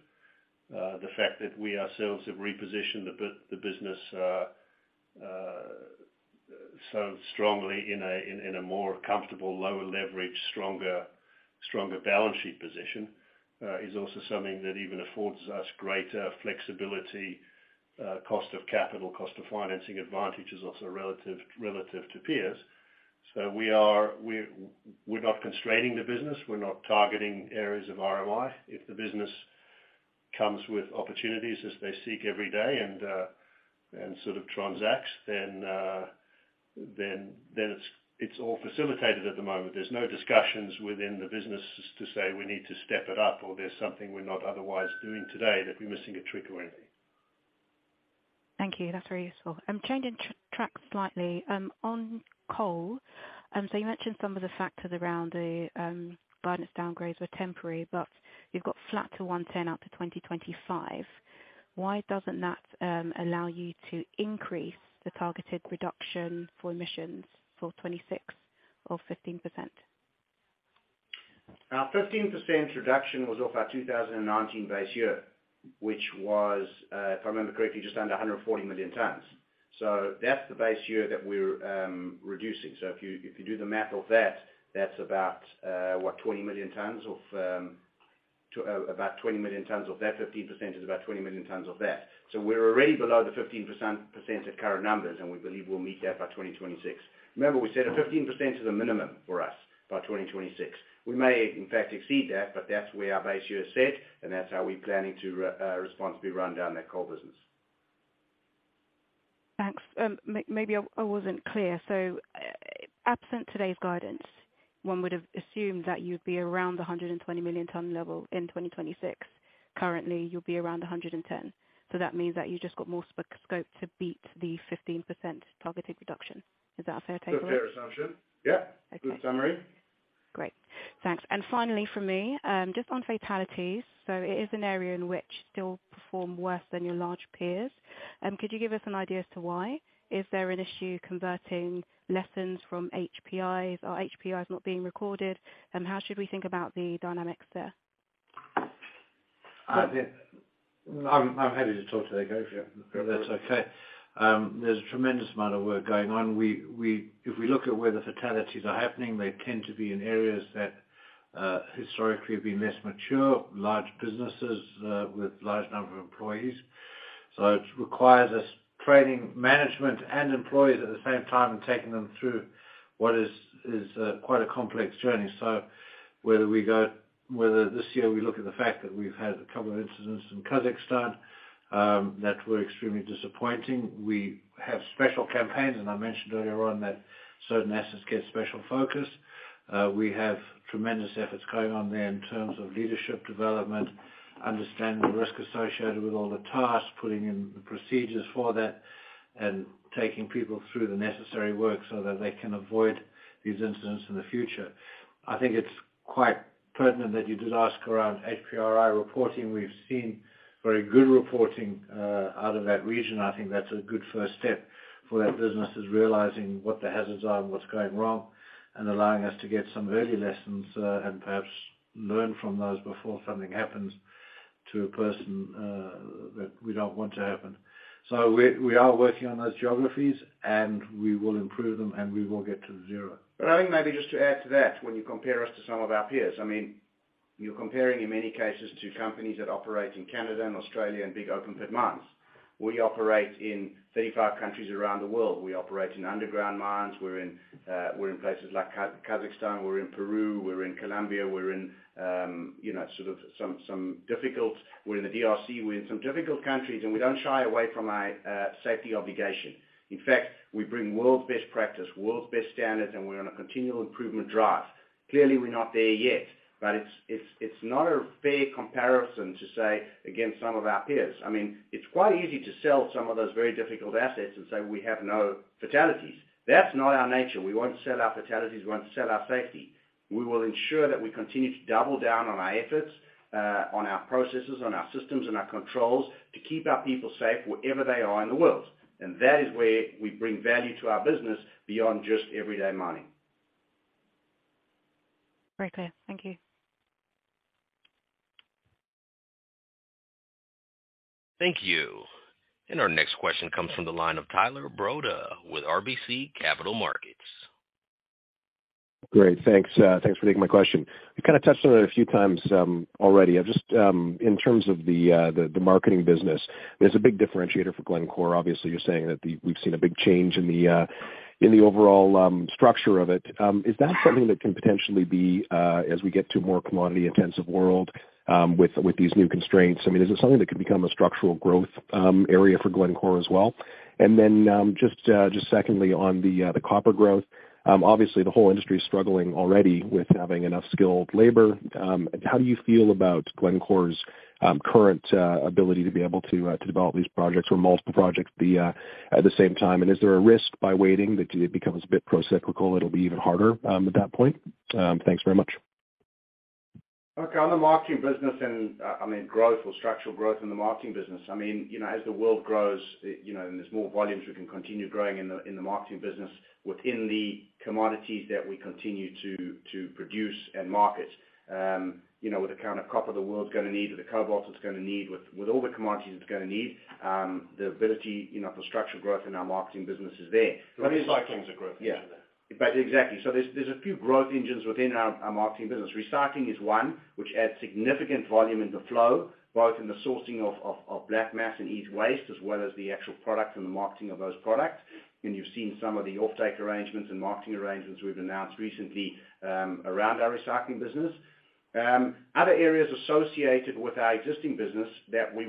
Speaker 4: The fact that we ourselves have repositioned the business so strongly in a more comfortable, lower leverage, stronger balance sheet position is also something that even affords us greater flexibility. Cost of capital, cost of financing advantage is also relative to peers. We're not constraining the business. We're not targeting areas of RMI. If the business comes with opportunities as they seek every day and sort of transacts, then it's all facilitated at the moment. There's no discussions within the business to say, we need to step it up or there's something we're not otherwise doing today, that we're missing a trick or anything.
Speaker 13: Thank you. That's very useful. Changing track slightly. On coal, you mentioned some of the factors around the guidance downgrades were temporary, but you've got flat to 110 million tons out to 2025. Why doesn't that allow you to increase the targeted reduction for emissions for 2026 or 15%?
Speaker 2: Our 15% reduction was off our 2019 base year, which was, if I remember correctly, just under 140 million tons. That's the base year that we're reducing. If you, if you do the math of that's about, what? 20 million tons of, about 20 million tons of that. 15% is about 20 million tons of that. We're already below the 15% of current numbers, and we believe we'll meet that by 2026. Remember we said a 15% is a minimum for us by 2026. We may in fact exceed that, but that's where our base year is set, and that's how we're planning to responsibly run down that coal business.
Speaker 13: Thanks. Maybe I wasn't clear. Absent today's guidance, one would have assumed that you'd be around the 120 million ton level in 2026. Currently, you'll be around 110 million tons. That means that you've just got more scope to beat the 15% targeted reduction. Is that a fair take on it?
Speaker 4: That's a fair assumption. Yeah.
Speaker 13: Okay.
Speaker 4: Good summary.
Speaker 13: Great. Thanks. Finally for me, just on fatalities. It is an area in which still perform worse than your large peers. Could you give us an idea as to why? Is there an issue converting lessons from HPI or HPIs not being recorded? How should we think about the dynamics there?
Speaker 3: I'm happy to talk to that, Gary, if that's okay. There's a tremendous amount of work going on. If we look at where the fatalities are happening, they tend to be in areas that historically have been less mature, large businesses, with large number of employees. It requires us training management and employees at the same time and taking them through what is quite a complex journey. Whether this year we look at the fact that we've had a couple of incidents in Kazakhstan that were extremely disappointing. We have special campaigns, and I mentioned earlier on that certain assets get special focus. We have tremendous efforts going on there in terms of leadership development, understanding the risk associated with all the tasks, putting in the procedures for that, and taking people through the necessary work so that they can avoid these incidents in the future. I think it's quite pertinent that you did ask around HPRI reporting. We've seen very good reporting out of that region. I think that's a good first step for our businesses, realizing what the hazards are and what's going wrong, and allowing us to get some early lessons and perhaps learn from those before something happens to a person that we don't want to happen. We are working on those geographies and we will improve them and we will get to zero.
Speaker 2: I think maybe just to add to that, when you compare us to some of our peers, I mean, you're comparing in many cases to companies that operate in Canada and Australia and big open-pit mines. We operate in 35 countries around the world. We operate in underground mines. We're in, we're in places like Kazakhstan, we're in Peru, we're in Colombia, we're in, you know, sort of some. We're in the DRC. We're in some difficult countries, and we don't shy away from our safety obligation. In fact, we bring world's best practice, world's best standards, and we're on a continual improvement drive. Clearly, we're not there yet, but it's not a fair comparison to say against some of our peers. I mean, it's quite easy to sell some of those very difficult assets and say, we have no fatalities. That's not our nature. We won't sell our fatalities. We won't sell our safety. We will ensure that we continue to double down on our efforts, on our processes, on our systems and our controls to keep our people safe wherever they are in the world. That is where we bring value to our business beyond just everyday mining.
Speaker 13: Very clear. Thank you.
Speaker 1: Thank you. Our next question comes from the line of Tyler Broda with RBC Capital Markets.
Speaker 14: Great, thanks for taking my question. You kinda touched on it a few times already. I've just in terms of the marketing business, there's a big differentiator for Glencore. Obviously, you're saying that we've seen a big change in the overall structure of it. Is that something that can potentially be as we get to a more commodity intensive world with these new constraints, I mean, is it something that could become a structural growth area for Glencore as well? Just secondly, on the copper growth, obviously the whole industry is struggling already with having enough skilled labor. How do you feel about Glencore's current ability to be able to develop these projects or multiple projects the at the same time? Is there a risk by waiting that it becomes a bit procyclical, it'll be even harder at that point? Thanks very much.
Speaker 2: Okay. On the marketing business and, I mean, growth or structural growth in the marketing business, I mean, you know, as the world grows, you know, and there's more volumes, we can continue growing in the marketing business within the commodities that we continue to produce and market. You know, with the kind of copper the world's going to need or the cobalt it's going to need with all the commodities it's going to need, the ability, you know, for structural growth in our marketing business is there.
Speaker 14: Recycling is a growth engine there.
Speaker 2: Exactly. There's a few growth engines within our marketing business. Recycling is one which adds significant volume in the flow, both in the sourcing of black mass and e-waste, as well as the actual product and the marketing of those products. You've seen some of the offtake arrangements and marketing arrangements we've announced recently around our recycling business. Other areas associated with our existing business that we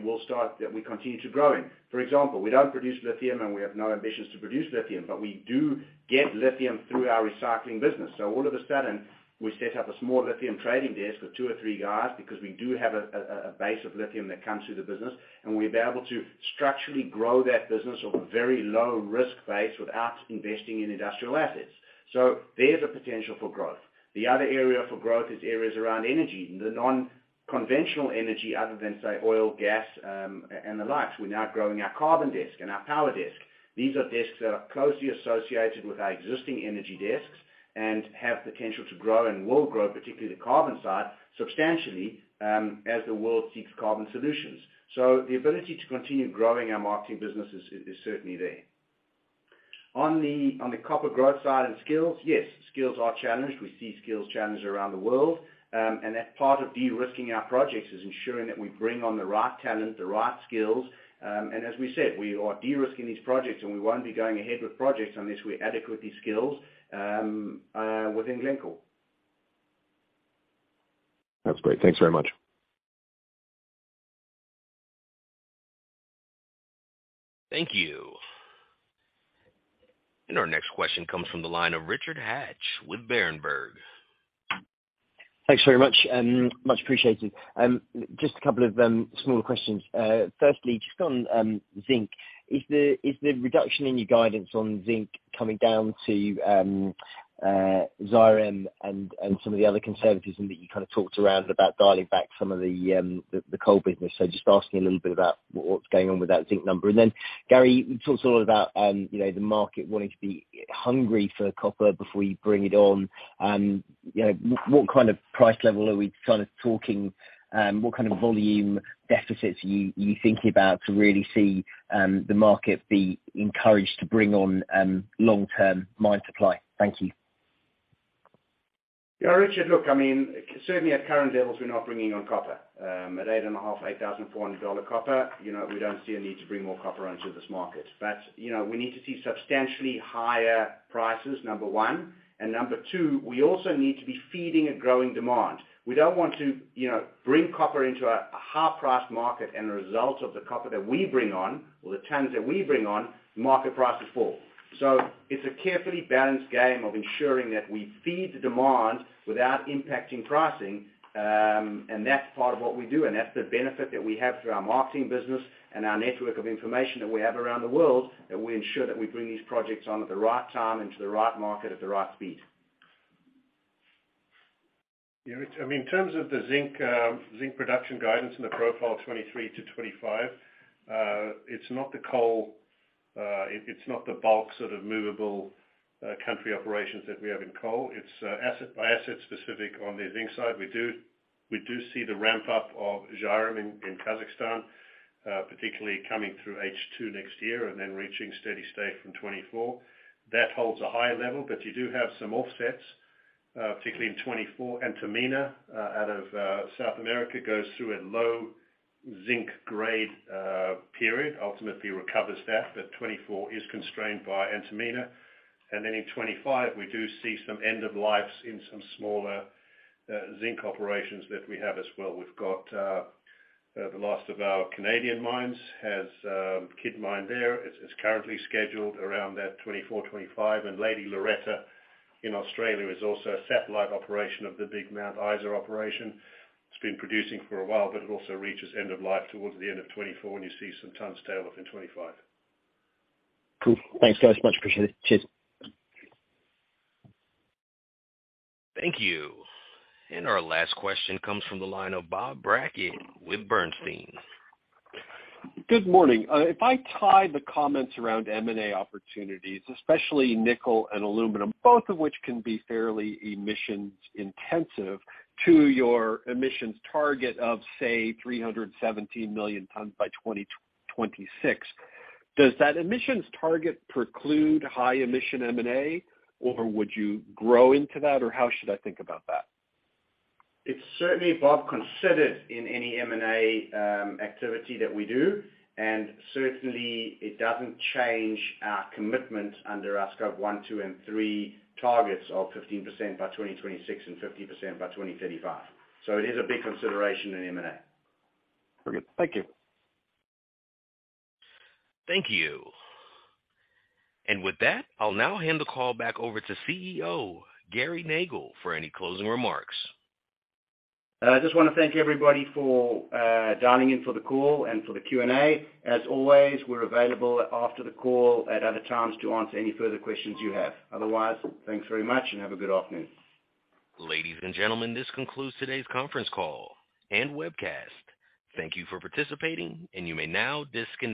Speaker 2: continue to grow in. For example, we don't produce lithium, and we have no ambitions to produce lithium, but we do get lithium through our recycling business. All of a sudden, we set up a small lithium trading desk with two or three guys because we do have a base of lithium that comes through the business, and we'll be able to structurally grow that business on a very low risk base without investing in industrial assets. There's a potential for growth. The other area for growth is areas around energy. The non-conventional energy other than, say, oil, gas, and the likes. We're now growing our carbon desk and our power desk. These are desks that are closely associated with our existing energy desks and have potential to grow and will grow, particularly the carbon side, substantially as the world seeks carbon solutions. The ability to continue growing our marketing business is certainly there. On the copper growth side and skills, yes, skills are challenged. We see skills challenged around the world. That part of de-risking our projects is ensuring that we bring on the right talent, the right skills. As we said, we are de-risking these projects, and we won't be going ahead with projects unless we adequately skill within Glencore.
Speaker 14: That's great. Thanks very much.
Speaker 1: Thank you. Our next question comes from the line of Richard Hatch with Berenberg.
Speaker 15: Thanks very much, and much appreciated. Just a couple of smaller questions. Firstly, just on zinc. Is the reduction in your guidance on zinc coming down to Zhairem and some of the other conservatism that you kinda talked around about dialing back some of the coal business? Just asking a little bit about what's going on with that zinc number. Gary, you talked a lot about, you know, the market wanting to be hungry for copper before you bring it on. You know, what kind of price level are we kinda talking, what kind of volume deficits are you thinking about to really see the market be encouraged to bring on long-term mine supply? Thank you.
Speaker 2: Yeah, Richard, look, I mean, certainly at current levels, we're not bringing on copper. At $8,400 copper, you know, we don't see a need to bring more copper onto this market. You know, we need to see substantially higher prices, number one, and number two, we also need to be feeding a growing demand. We don't want to, you know, bring copper into a high-priced market and the result of the copper that we bring on or the tons that we bring on, market prices fall. It's a carefully balanced game of ensuring that we feed the demand without impacting pricing. That's part of what we do, and that's the benefit that we have through our marketing business and our network of information that we have around the world, that we ensure that we bring these projects on at the right time and to the right market at the right speed.
Speaker 4: Yeah, Rich, I mean, in terms of the zinc production guidance in the profile 2023-2025, it's not the coal, it's not the bulk sort of movable country operations that we have in coal. It's asset by asset specific on the zinc side. We do see the ramp up of Zhairem in Kazakhstan, particularly coming through H2 next year and then reaching steady state from 2024. That holds a higher level. You do have some offsets, particularly in 2024. Antamina, out of South America, goes through a low zinc grade period, ultimately recovers that, but 2024 is constrained by Antamina. In 2025, we do see some end of lives in some smaller zinc operations that we have as well. We've got the last of our Canadian mines has Kidd Mine there. It's currently scheduled around that 2024, 2025. Lady Loretta in Australia is also a satellite operation of the big Mount Isa operation. It's been producing for a while, but it also reaches end of life towards the end of 2024, and you see some tons tail off in 2025.
Speaker 15: Cool. Thanks, guys. Much appreciated. Cheers.
Speaker 1: Thank you. Our last question comes from the line of Bob Brackett with Bernstein.
Speaker 16: Good morning. If I tie the comments around M&A opportunities, especially nickel and aluminum, both of which can be fairly emissions intensive, to your emissions target of, say, 317 million tons by 2026, does that emissions target preclude high emission M&A, or would you grow into that, or how should I think about that?
Speaker 2: It's certainly, Bob, considered in any M&A activity that we do, and certainly it doesn't change our commitment under our Scope 1, Scope 2, and Scope 3 targets of 15% by 2026 and 50% by 2035. It is a big consideration in M&A.
Speaker 16: Very good. Thank you.
Speaker 1: Thank you. With that, I'll now hand the call back over to CEO, Gary Nagle, for any closing remarks.
Speaker 2: I just wanna thank everybody for dialing in for the call and for the Q&A. As always, we're available after the call at other times to answer any further questions you have. Otherwise, thanks very much and have a good afternoon.
Speaker 1: Ladies and gentlemen, this concludes today's conference call and webcast. Thank you for participating, and you may now disconnect.